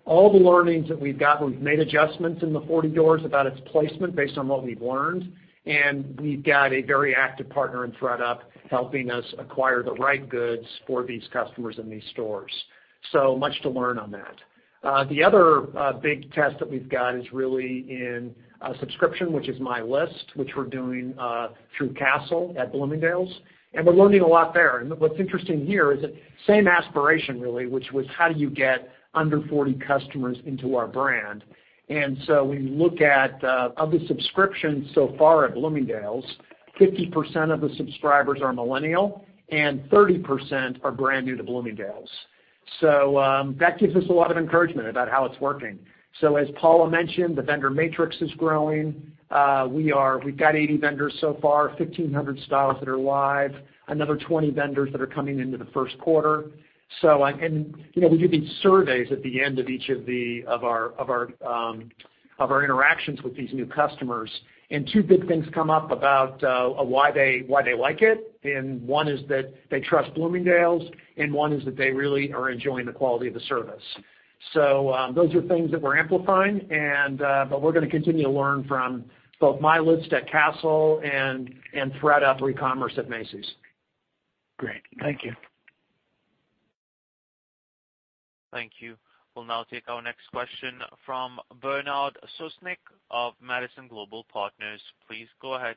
All the learnings that we've got, we've made adjustments in the 40 doors about its placement based on what we've learned. We've got a very active partner in ThredUp helping us acquire the right goods for these customers in these stores. Much to learn on that. The other big test that we've got is really in subscription, which is My List, which we're doing through CaaStle at Bloomingdale's, and we're learning a lot there. What's interesting here is that same aspiration, really, which was how do you get under 40 customers into our brand. We look at, of the subscriptions so far at Bloomingdale's, 50% of the subscribers are millennial and 30% are brand new to Bloomingdale's. That gives us a lot of encouragement about how it's working. As Paula mentioned, the vendor matrix is growing. We've got 80 vendors so far, 1,500 styles that are live, another 20 vendors that are coming into the first quarter. We do these surveys at the end of each of our interactions with these new customers. Two big things come up about why they like it. One is that they trust Bloomingdale's, and one is that they really are enjoying the quality of the service. Those are things that we're amplifying. We're going to continue to learn from both My List at CaaStle and ThredUp after e-commerce at Macy's. Great. Thank you. Thank you. We'll now take our next question from Bernard Sosnick of Madison Global Partners. Please go ahead.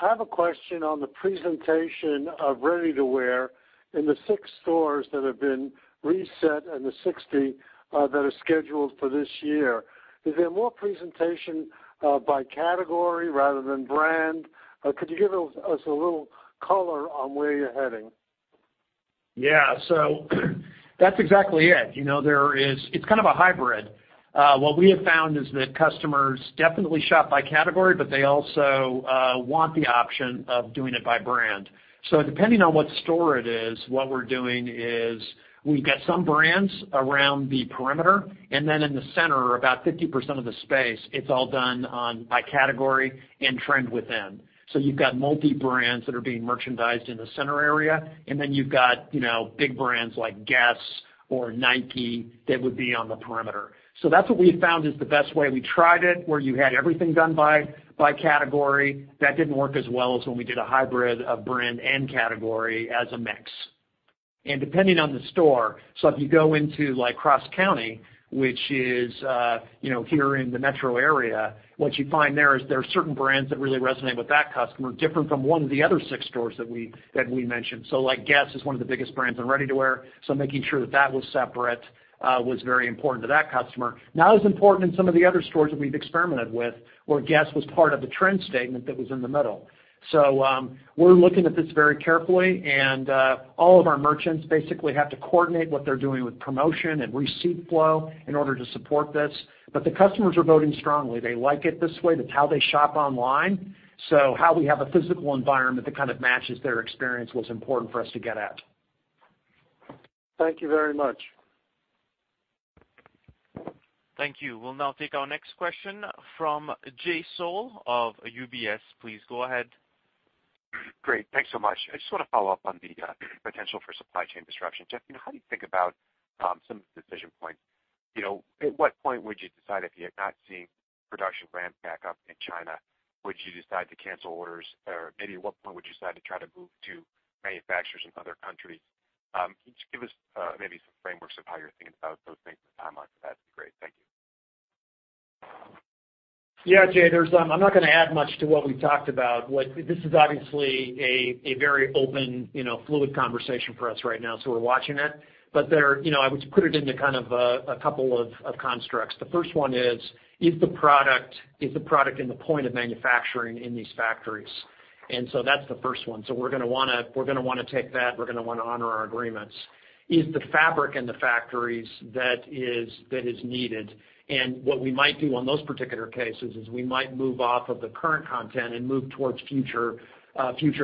I have a question on the presentation of ready-to-wear in the six stores that have been reset and the 60 that are scheduled for this year. Is there more presentation by category rather than brand? Could you give us a little color on where you're heading? Yeah. That's exactly it. It's kind of a hybrid. What we have found is that customers definitely shop by category, but they also want the option of doing it by brand. Depending on what store it is, what we're doing is we've got some brands around the perimeter, and then in the center, about 50% of the space, it's all done by category and trend within. You've got multi-brands that are being merchandised in the center area, and then you've got big brands like Guess or Nike that would be on the perimeter. That's what we found is the best way. We tried it, where you had everything done by category. That didn't work as well as when we did a hybrid of brand and category as a mix. Depending on the store, so if you go into Cross County, which is here in the metro area, what you find there is there are certain brands that really resonate with that customer, different from one of the other six stores that we mentioned. Guess is one of the biggest brands in ready-to-wear. Making sure that that was separate was very important to that customer. Not as important in some of the other stores that we've experimented with, where Guess was part of the trend statement that was in the middle. We're looking at this very carefully, and all of our merchants basically have to coordinate what they're doing with promotion and receipt flow in order to support this. The customers are voting strongly. They like it this way. That's how they shop online. How we have a physical environment that kind of matches their experience was important for us to get at. Thank you very much. Thank you. We'll now take our next question from Jay Sole of UBS. Please go ahead. Great. Thanks so much. I just want to follow up on the potential for supply chain disruption. Jeff, how do you think about some of the decision points? At what point would you decide if you had not seen production ramp back up in China, would you decide to cancel orders? Maybe at what point would you decide to try to move to manufacturers in other countries? Can you just give us maybe some frameworks of how you're thinking about those things and the timeline for that would be great. Thank you. Yeah, Jay, I'm not going to add much to what we've talked about. This is obviously a very open, fluid conversation for us right now. We're watching it. I would put it into kind of a couple of constructs. The first one is the product in the point of manufacturing in these factories? That's the first one. We're going to want to take that. We're going to want to honor our agreements. Is the fabric in the factories that is needed? What we might do on those particular cases is we might move off of the current content and move towards future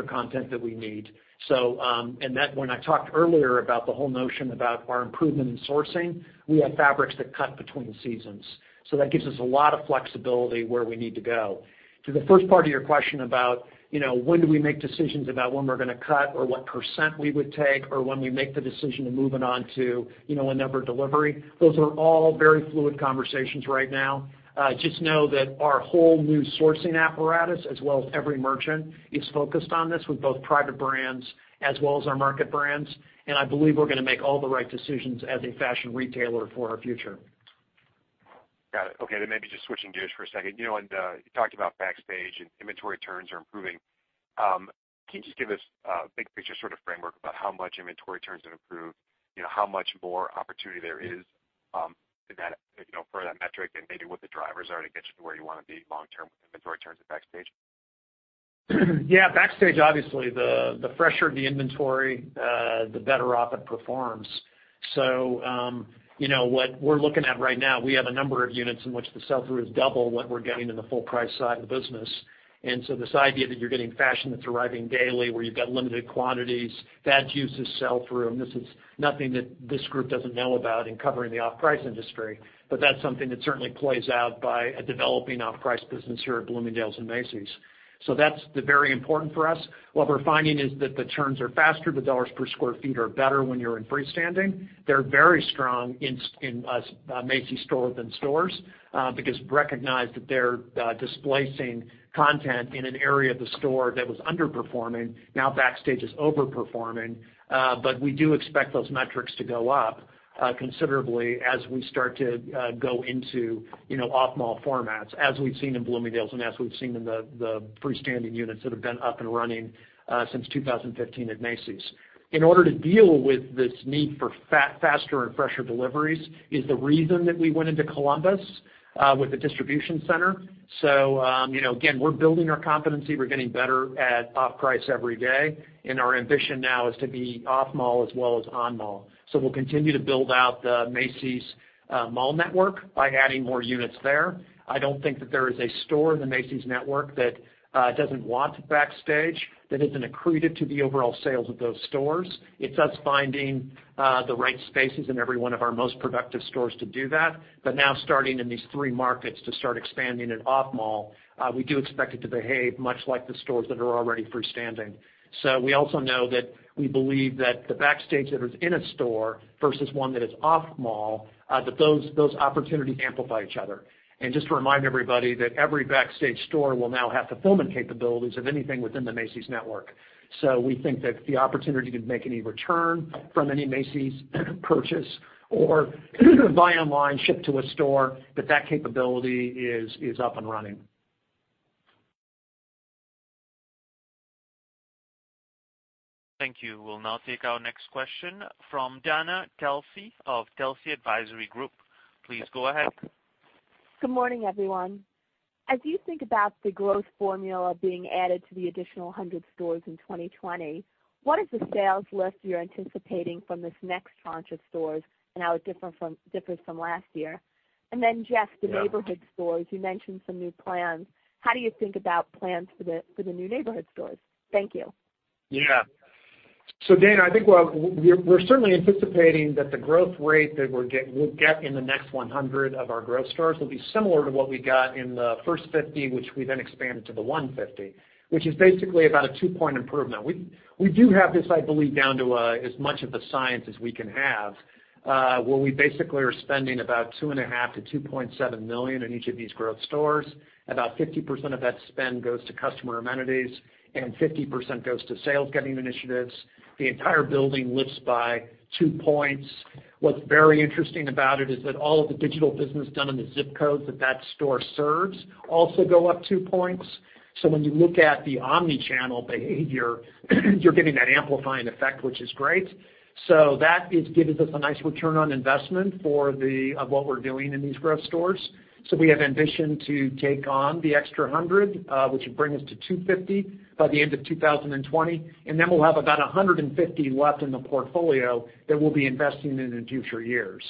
content that we need. When I talked earlier about the whole notion about our improvement in sourcing, we have fabrics that cut between seasons. That gives us a lot of flexibility where we need to go. To the first part of your question about when do we make decisions about when we're going to cut or what percent we would take or when we make the decision of moving on to another delivery, those are all very fluid conversations right now. Just know that our whole new sourcing apparatus, as well as every merchant, is focused on this with both private brands as well as our market brands, and I believe we're going to make all the right decisions as a fashion retailer for our future. Got it. Okay, maybe just switching gears for a second. You talked about Backstage and inventory turns are improving. Can you just give us a big picture sort of framework about how much inventory turns have improved, how much more opportunity there is for that metric, and maybe what the drivers are to get you to where you want to be long term with inventory turns at Backstage? Yeah, Backstage, obviously, the fresher the inventory, the better off it performs. What we're looking at right now, we have a number of units in which the sell-through is double what we're getting in the full price side of the business. This idea that you're getting fashion that's arriving daily, where you've got limited quantities, that juices sell-through, and this is nothing that this group doesn't know about in covering the off-price industry. That's something that certainly plays out by a developing off-price business here at Bloomingdale's and Macy's. That's very important for us. What we're finding is that the turns are faster, the dollar per square feet are better when you're in freestanding. They're very strong in Macy's store within stores, because recognize that they're displacing content in an area of the store that was underperforming. Now Backstage is overperforming. We do expect those metrics to go up considerably as we start to go into off-mall formats, as we've seen in Bloomingdale's and as we've seen in the freestanding units that have been up and running since 2015 at Macy's. In order to deal with this need for faster and fresher deliveries is the reason that we went into Columbus with the distribution center. Again, we're building our competency. We're getting better at off-price every day, and our ambition now is to be off-mall as well as on-mall. We'll continue to build out the Macy's mall network by adding more units there. I don't think that there is a store in the Macy's network that doesn't want Backstage that isn't accretive to the overall sales of those stores. It's us finding the right spaces in every one of our most productive stores to do that. Now starting in these three markets to start expanding in off-mall, we do expect it to behave much like the stores that are already freestanding. We also know that we believe that the Backstage that is in a store versus one that is off-mall, that those opportunities amplify each other. Just to remind everybody that every Backstage store will now have the fulfillment capabilities of anything within the Macy's network. We think that the opportunity to make any return from any Macy's purchase or buy online, ship to a store, that capability is up and running. Thank you. We'll now take our next question from Dana Telsey of Telsey Advisory Group. Please go ahead. Good morning, everyone. As you think about the growth formula being added to the additional 100 stores in 2020, what is the sales lift you're anticipating from this next tranche of stores and how it's different from last year? Jeff, the neighborhood stores, you mentioned some new plans. How do you think about plans for the new neighborhood stores? Thank you. Yeah. Dana, I think we're certainly anticipating that the growth rate that we'll get in the next 100 of our growth stores will be similar to what we got in the first 50, which we then expanded to the 150, which is basically about a two-point improvement. We do have this, I believe, down to as much of a science as we can have, where we basically are spending about $2.5 million-$2.7 million in each of these growth stores. About 50% of that spend goes to customer amenities, 50% goes to sales-getting initiatives. The entire building lifts by two points. What's very interesting about it is that all of the digital business done in the ZIP codes that that store serves also go up two points. When you look at the omni-channel behavior, you're getting that amplifying effect, which is great. That gives us a nice return on investment of what we're doing in these Growth Doors. We have ambition to take on the extra 100, which would bring us to 250 by the end of 2020, and then we'll have about 150 left in the portfolio that we'll be investing in in future years.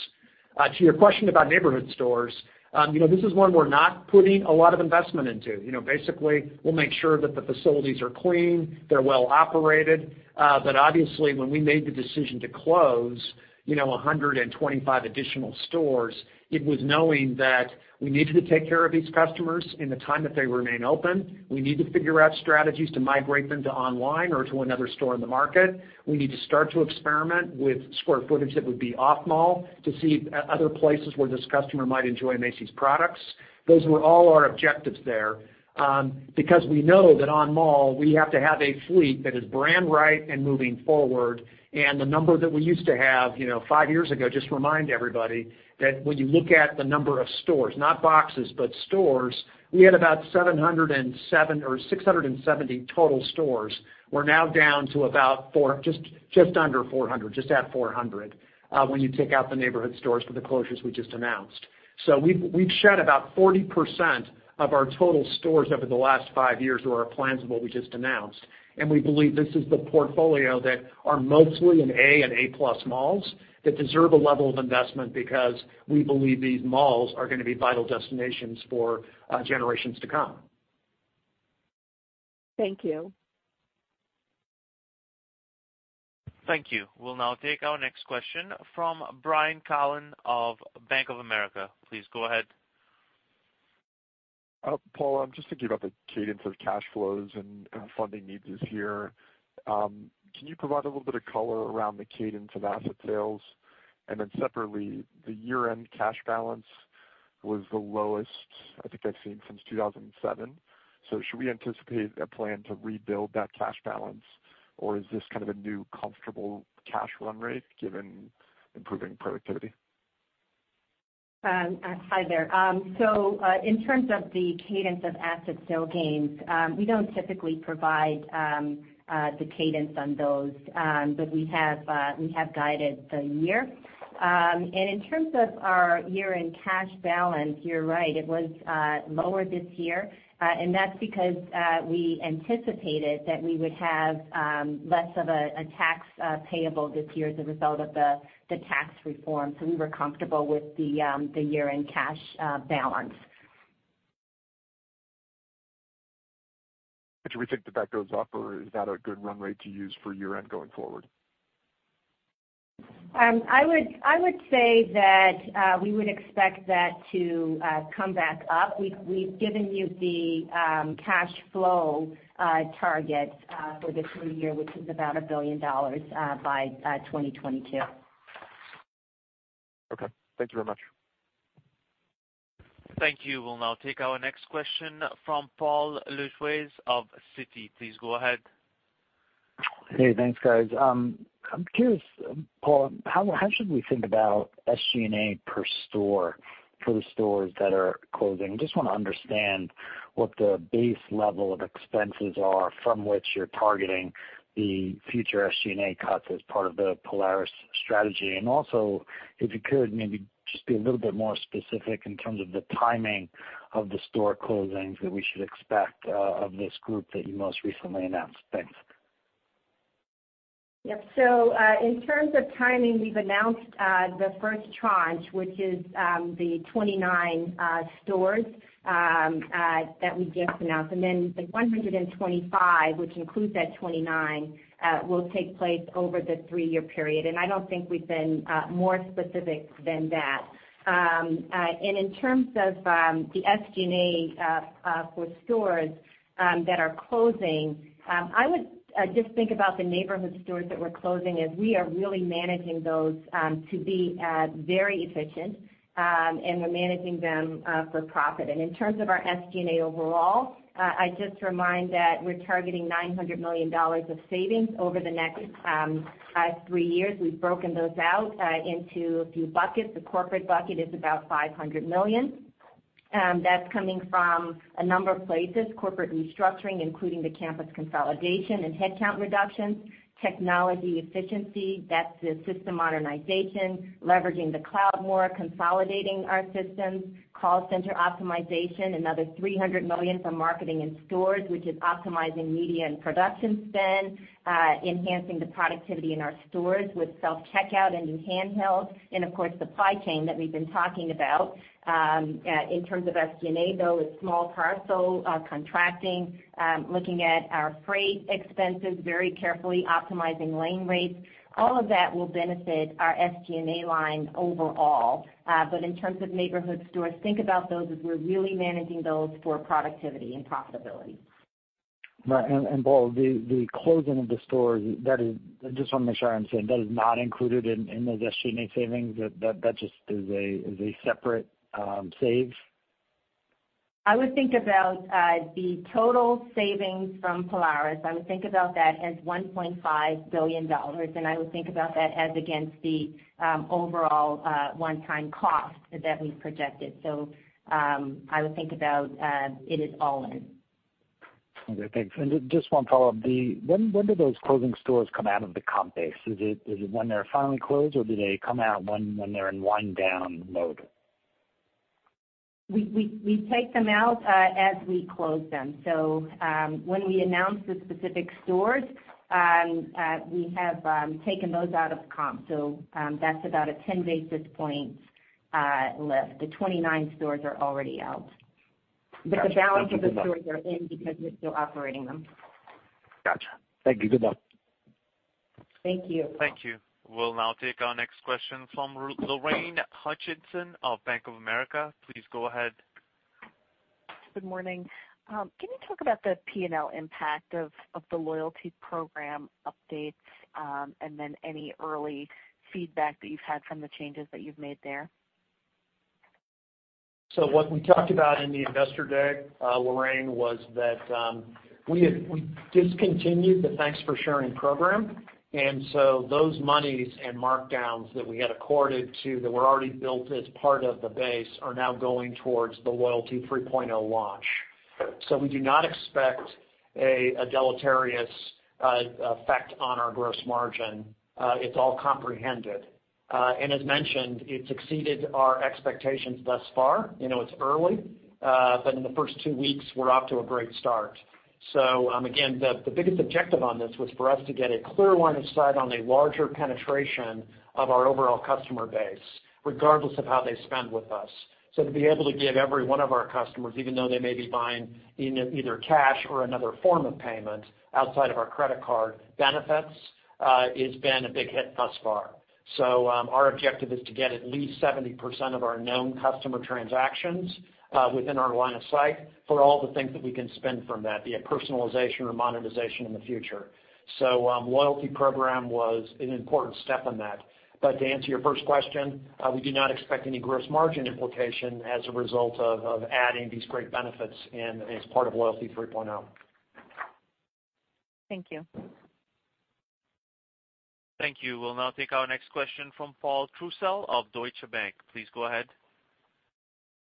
To your question about neighborhood stores, this is one we're not putting a lot of investment into. Basically, we'll make sure that the facilities are clean, they're well operated. Obviously, when we made the decision to close 125 additional stores, it was knowing that we needed to take care of these customers in the time that they remain open. We need to figure out strategies to migrate them to online or to another store in the market. We need to start to experiment with square footage that would be off-mall to see other places where this customer might enjoy Macy's products. Those were all our objectives there. We know that on-mall, we have to have a fleet that is brand-right and moving forward. The number that we used to have five years ago, just remind everybody that when you look at the number of stores, not boxes, but stores, we had about 670 total stores. We're now down to just under 400, just at 400, when you take out the neighborhood stores with the closures we just announced. We've shed about 40% of our total stores over the last five years with our plans of what we just announced. We believe this is the portfolio that are mostly in A and A-plus malls that deserve a level of investment because we believe these malls are going to be vital destinations for generations to come. Thank you. Thank you. We'll now take our next question from Brian Callen of Bank of America. Please go ahead. Paul, I'm just thinking about the cadence of cash flows and funding needs this year. Can you provide a little bit of color around the cadence of asset sales? Separately, the year-end cash balance was the lowest I think I've seen since 2007. Should we anticipate a plan to rebuild that cash balance, or is this kind of a new comfortable cash run rate given improving productivity? Hi there. In terms of the cadence of asset sale gains, we don't typically provide the cadence on those. We have guided the year. In terms of our year-end cash balance, you're right, it was lower this year. That's because we anticipated that we would have less of a tax payable this year as a result of the tax reform. We were comfortable with the year-end cash balance. Do we think that goes up, or is that a good run rate to use for year-end going forward? I would say that we would expect that to come back up. We've given you the cash flow target for the full year, which is about $1 billion by 2022. Okay. Thank you very much. Thank you. We'll now take our next question from Paul Lejuez of Citi. Please go ahead. Hey, thanks, guys. I'm curious, Paula, how should we think about SG&A per store for the stores that are closing? I just want to understand what the base level of expenses are from which you're targeting the future SG&A cuts as part of the Polaris strategy. Also, if you could maybe just be a little bit more specific in terms of the timing of the store closings that we should expect of this group that you most recently announced. Thanks. Yep. In terms of timing, we've announced the first tranche, which is the 29 stores that we just announced. The 125, which includes that 29, will take place over the three-year period. I don't think we've been more specific than that. In terms of the SG&A for stores that are closing, I would just think about the neighborhood stores that we're closing as we are really managing those to be very efficient, and we're managing them for profit. In terms of our SG&A overall, I'd just remind that we're targeting $900 million of savings over the next three years. We've broken those out into a few buckets. The corporate bucket is about $500 million. That's coming from a number of places, corporate restructuring, including the campus consolidation and headcount reductions, technology efficiency. That's the system modernization, leveraging the cloud more, consolidating our systems, call center optimization, another $300 million from marketing and stores, which is optimizing media and production spend, enhancing the productivity in our stores with self-checkout and new handheld, and of course, supply chain that we've been talking about. In terms of SG&A, though, it's small parcel contracting, looking at our freight expenses very carefully, optimizing lane rates. All of that will benefit our SG&A line overall. In terms of neighborhood stores, think about those as we're really managing those for productivity and profitability. Right. Paul, the closing of the stores, I just want to make sure I understand, that is not included in those SG&A savings. That just is a separate save? I would think about the total savings from Polaris. I would think about that as $1.5 billion, and I would think about that as against the overall one-time cost that we projected. I would think about it as all in. Okay, thanks. Just one follow-up. When do those closing stores come out of the comp base? Is it when they're finally closed, or do they come out when they're in wind down mode? We take them out as we close them. When we announce the specific stores, we have taken those out of comp. That's about a 10 basis point lift. The 29 stores are already out. Got you. Thank you very much. The balance of the stores are in because we're still operating them. Got you. Thank you. Good luck. Thank you. Thank you. We'll now take our next question from Lorraine Hutchinson of Bank of America. Please go ahead. Good morning. Can you talk about the P&L impact of the loyalty program updates, and then any early feedback that you've had from the changes that you've made there? What we talked about in the investor day, Lorraine, was that we discontinued the Thanks for Sharing program. Those monies and markdowns that we had accorded to that were already built as part of the base are now going towards the Loyalty 3.0 launch. We do not expect a deleterious effect on our gross margin. It's all comprehended. As mentioned, it's exceeded our expectations thus far. It's early, but in the first two weeks, we're off to a great start. Again, the biggest objective on this was for us to get a clear line of sight on a larger penetration of our overall customer base, regardless of how they spend with us. To be able to give every one of our customers, even though they may be buying in either cash or another form of payment outside of our credit card benefits, it's been a big hit thus far. Our objective is to get at least 70% of our known customer transactions within our line of sight for all the things that we can spend from that, be it personalization or monetization in the future. Loyalty program was an important step in that. To answer your first question, we do not expect any gross margin implication as a result of adding these great benefits in as part of Loyalty 3.0. Thank you. Thank you. We'll now take our next question from Paul Trussell of Deutsche Bank. Please go ahead.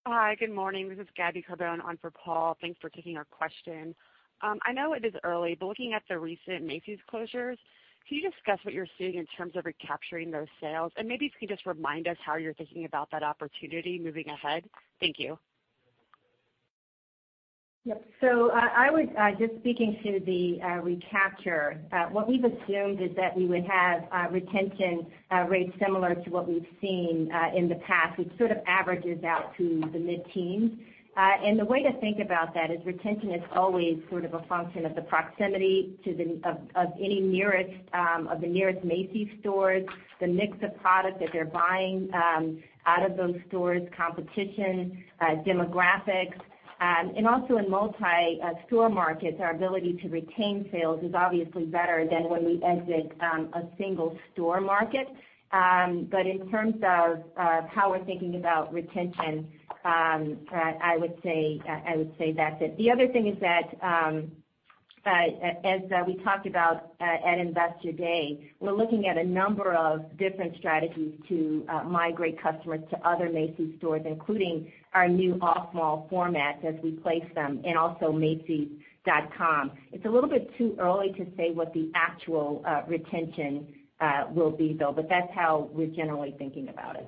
Hi, good morning. This is Gabriella Carbone on for Paul. Thanks for taking our question. I know it is early, but looking at the recent Macy's closures, can you discuss what you're seeing in terms of recapturing those sales? Maybe if you could just remind us how you're thinking about that opportunity moving ahead. Thank you. Yep. Just speaking to the recapture, what we've assumed is that we would have retention rates similar to what we've seen in the past, which sort of averages out to the mid-teens. The way to think about that is retention is always sort of a function of the proximity of any nearest Macy's stores, the mix of product that they're buying out of those stores, competition, demographics. Also in multi-store markets, our ability to retain sales is obviously better than when we exit a single store market. In terms of how we're thinking about retention, I would say that's it. The other thing is that, as we talked about at Investor Day, we're looking at a number of different strategies to migrate customers to other Macy's stores, including our new off-mall format as we place them, and also macys.com. It's a little bit too early to say what the actual retention will be, though. That's how we're generally thinking about it.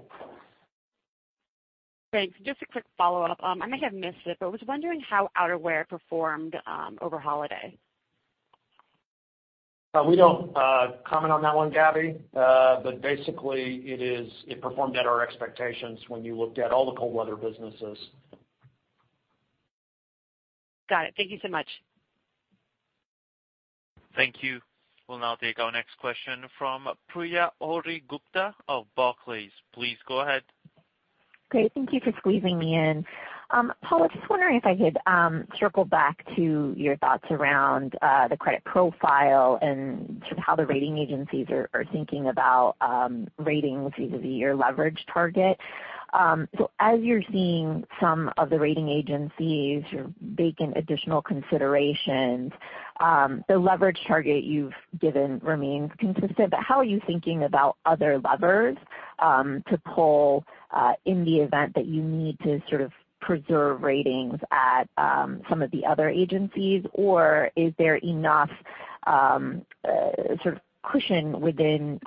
Thanks. Just a quick follow-up. I may have missed it, but I was wondering how outerwear performed over holiday. We don't comment on that one, Gabby. Basically, it performed at our expectations when you looked at all the cold weather businesses. Got it. Thank you so much. Thank you. We'll now take our next question from Priya Ohri-Gupta of Barclays. Please go ahead. Great. Thank you for squeezing me in. Paul, I was just wondering if I could circle back to your thoughts around the credit profile and sort of how the rating agencies are thinking about ratings vis-à-vis your leverage target. As you're seeing some of the rating agencies are making additional considerations, the leverage target you've given remains consistent. How are you thinking about other levers to pull in the event that you need to sort of preserve ratings at some of the other agencies? Is there enough sort of cushion within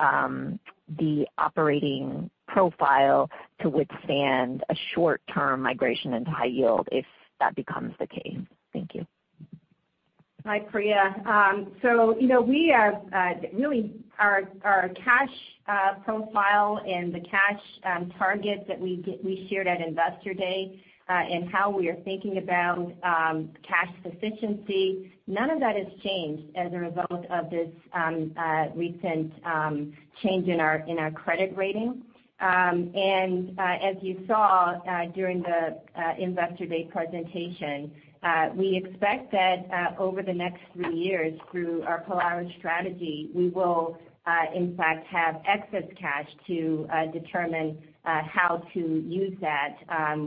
the operating profile to withstand a short-term migration into high yield if that becomes the case? Thank you. Hi, Priya. Really, our cash profile and the cash target that we shared at Investor Day, how we are thinking about cash sufficiency, none of that has changed as a result of this recent change in our credit rating. As you saw during the Investor Day presentation, we expect that over the next three years, through our Polaris strategy, we will in fact have excess cash to determine how to use that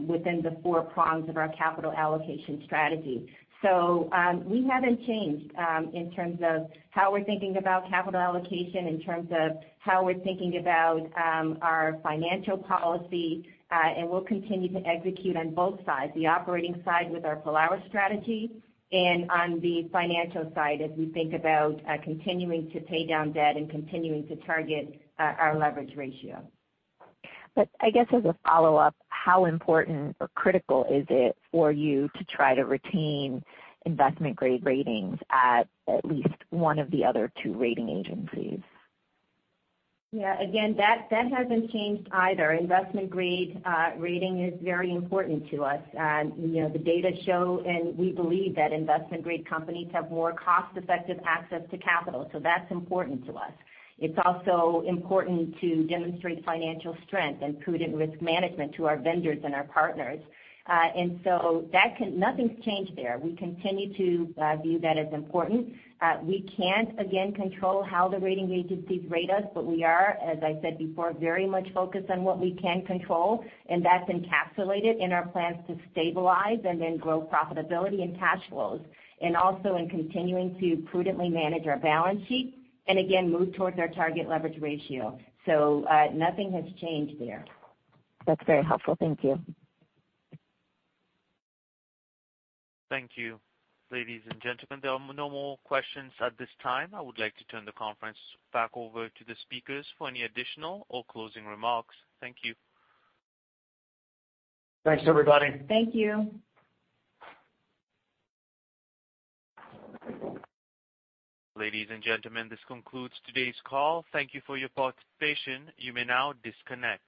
within the four prongs of our capital allocation strategy. We haven't changed in terms of how we're thinking about capital allocation, in terms of how we're thinking about our financial policy. We'll continue to execute on both sides, the operating side with our Polaris strategy and on the financial side as we think about continuing to pay down debt and continuing to target our leverage ratio. I guess as a follow-up, how important or critical is it for you to try to retain investment-grade ratings at least one of the other two rating agencies? Again, that hasn't changed either. Investment-grade rating is very important to us. The data show, and we believe that investment-grade companies have more cost-effective access to capital. That's important to us. It's also important to demonstrate financial strength and prudent risk management to our vendors and our partners. Nothing's changed there. We continue to view that as important. We can't, again, control how the rating agencies rate us, but we are, as I said before, very much focused on what we can control, and that's encapsulated in our plans to stabilize and then grow profitability and cash flows. Also in continuing to prudently manage our balance sheet, and again, move towards our target leverage ratio. Nothing has changed there. That's very helpful. Thank you. Thank you. Ladies and gentlemen, there are no more questions at this time. I would like to turn the conference back over to the speakers for any additional or closing remarks. Thank you. Thanks, everybody. Thank you. Ladies and gentlemen, this concludes today's call. Thank you for your participation. You may now disconnect.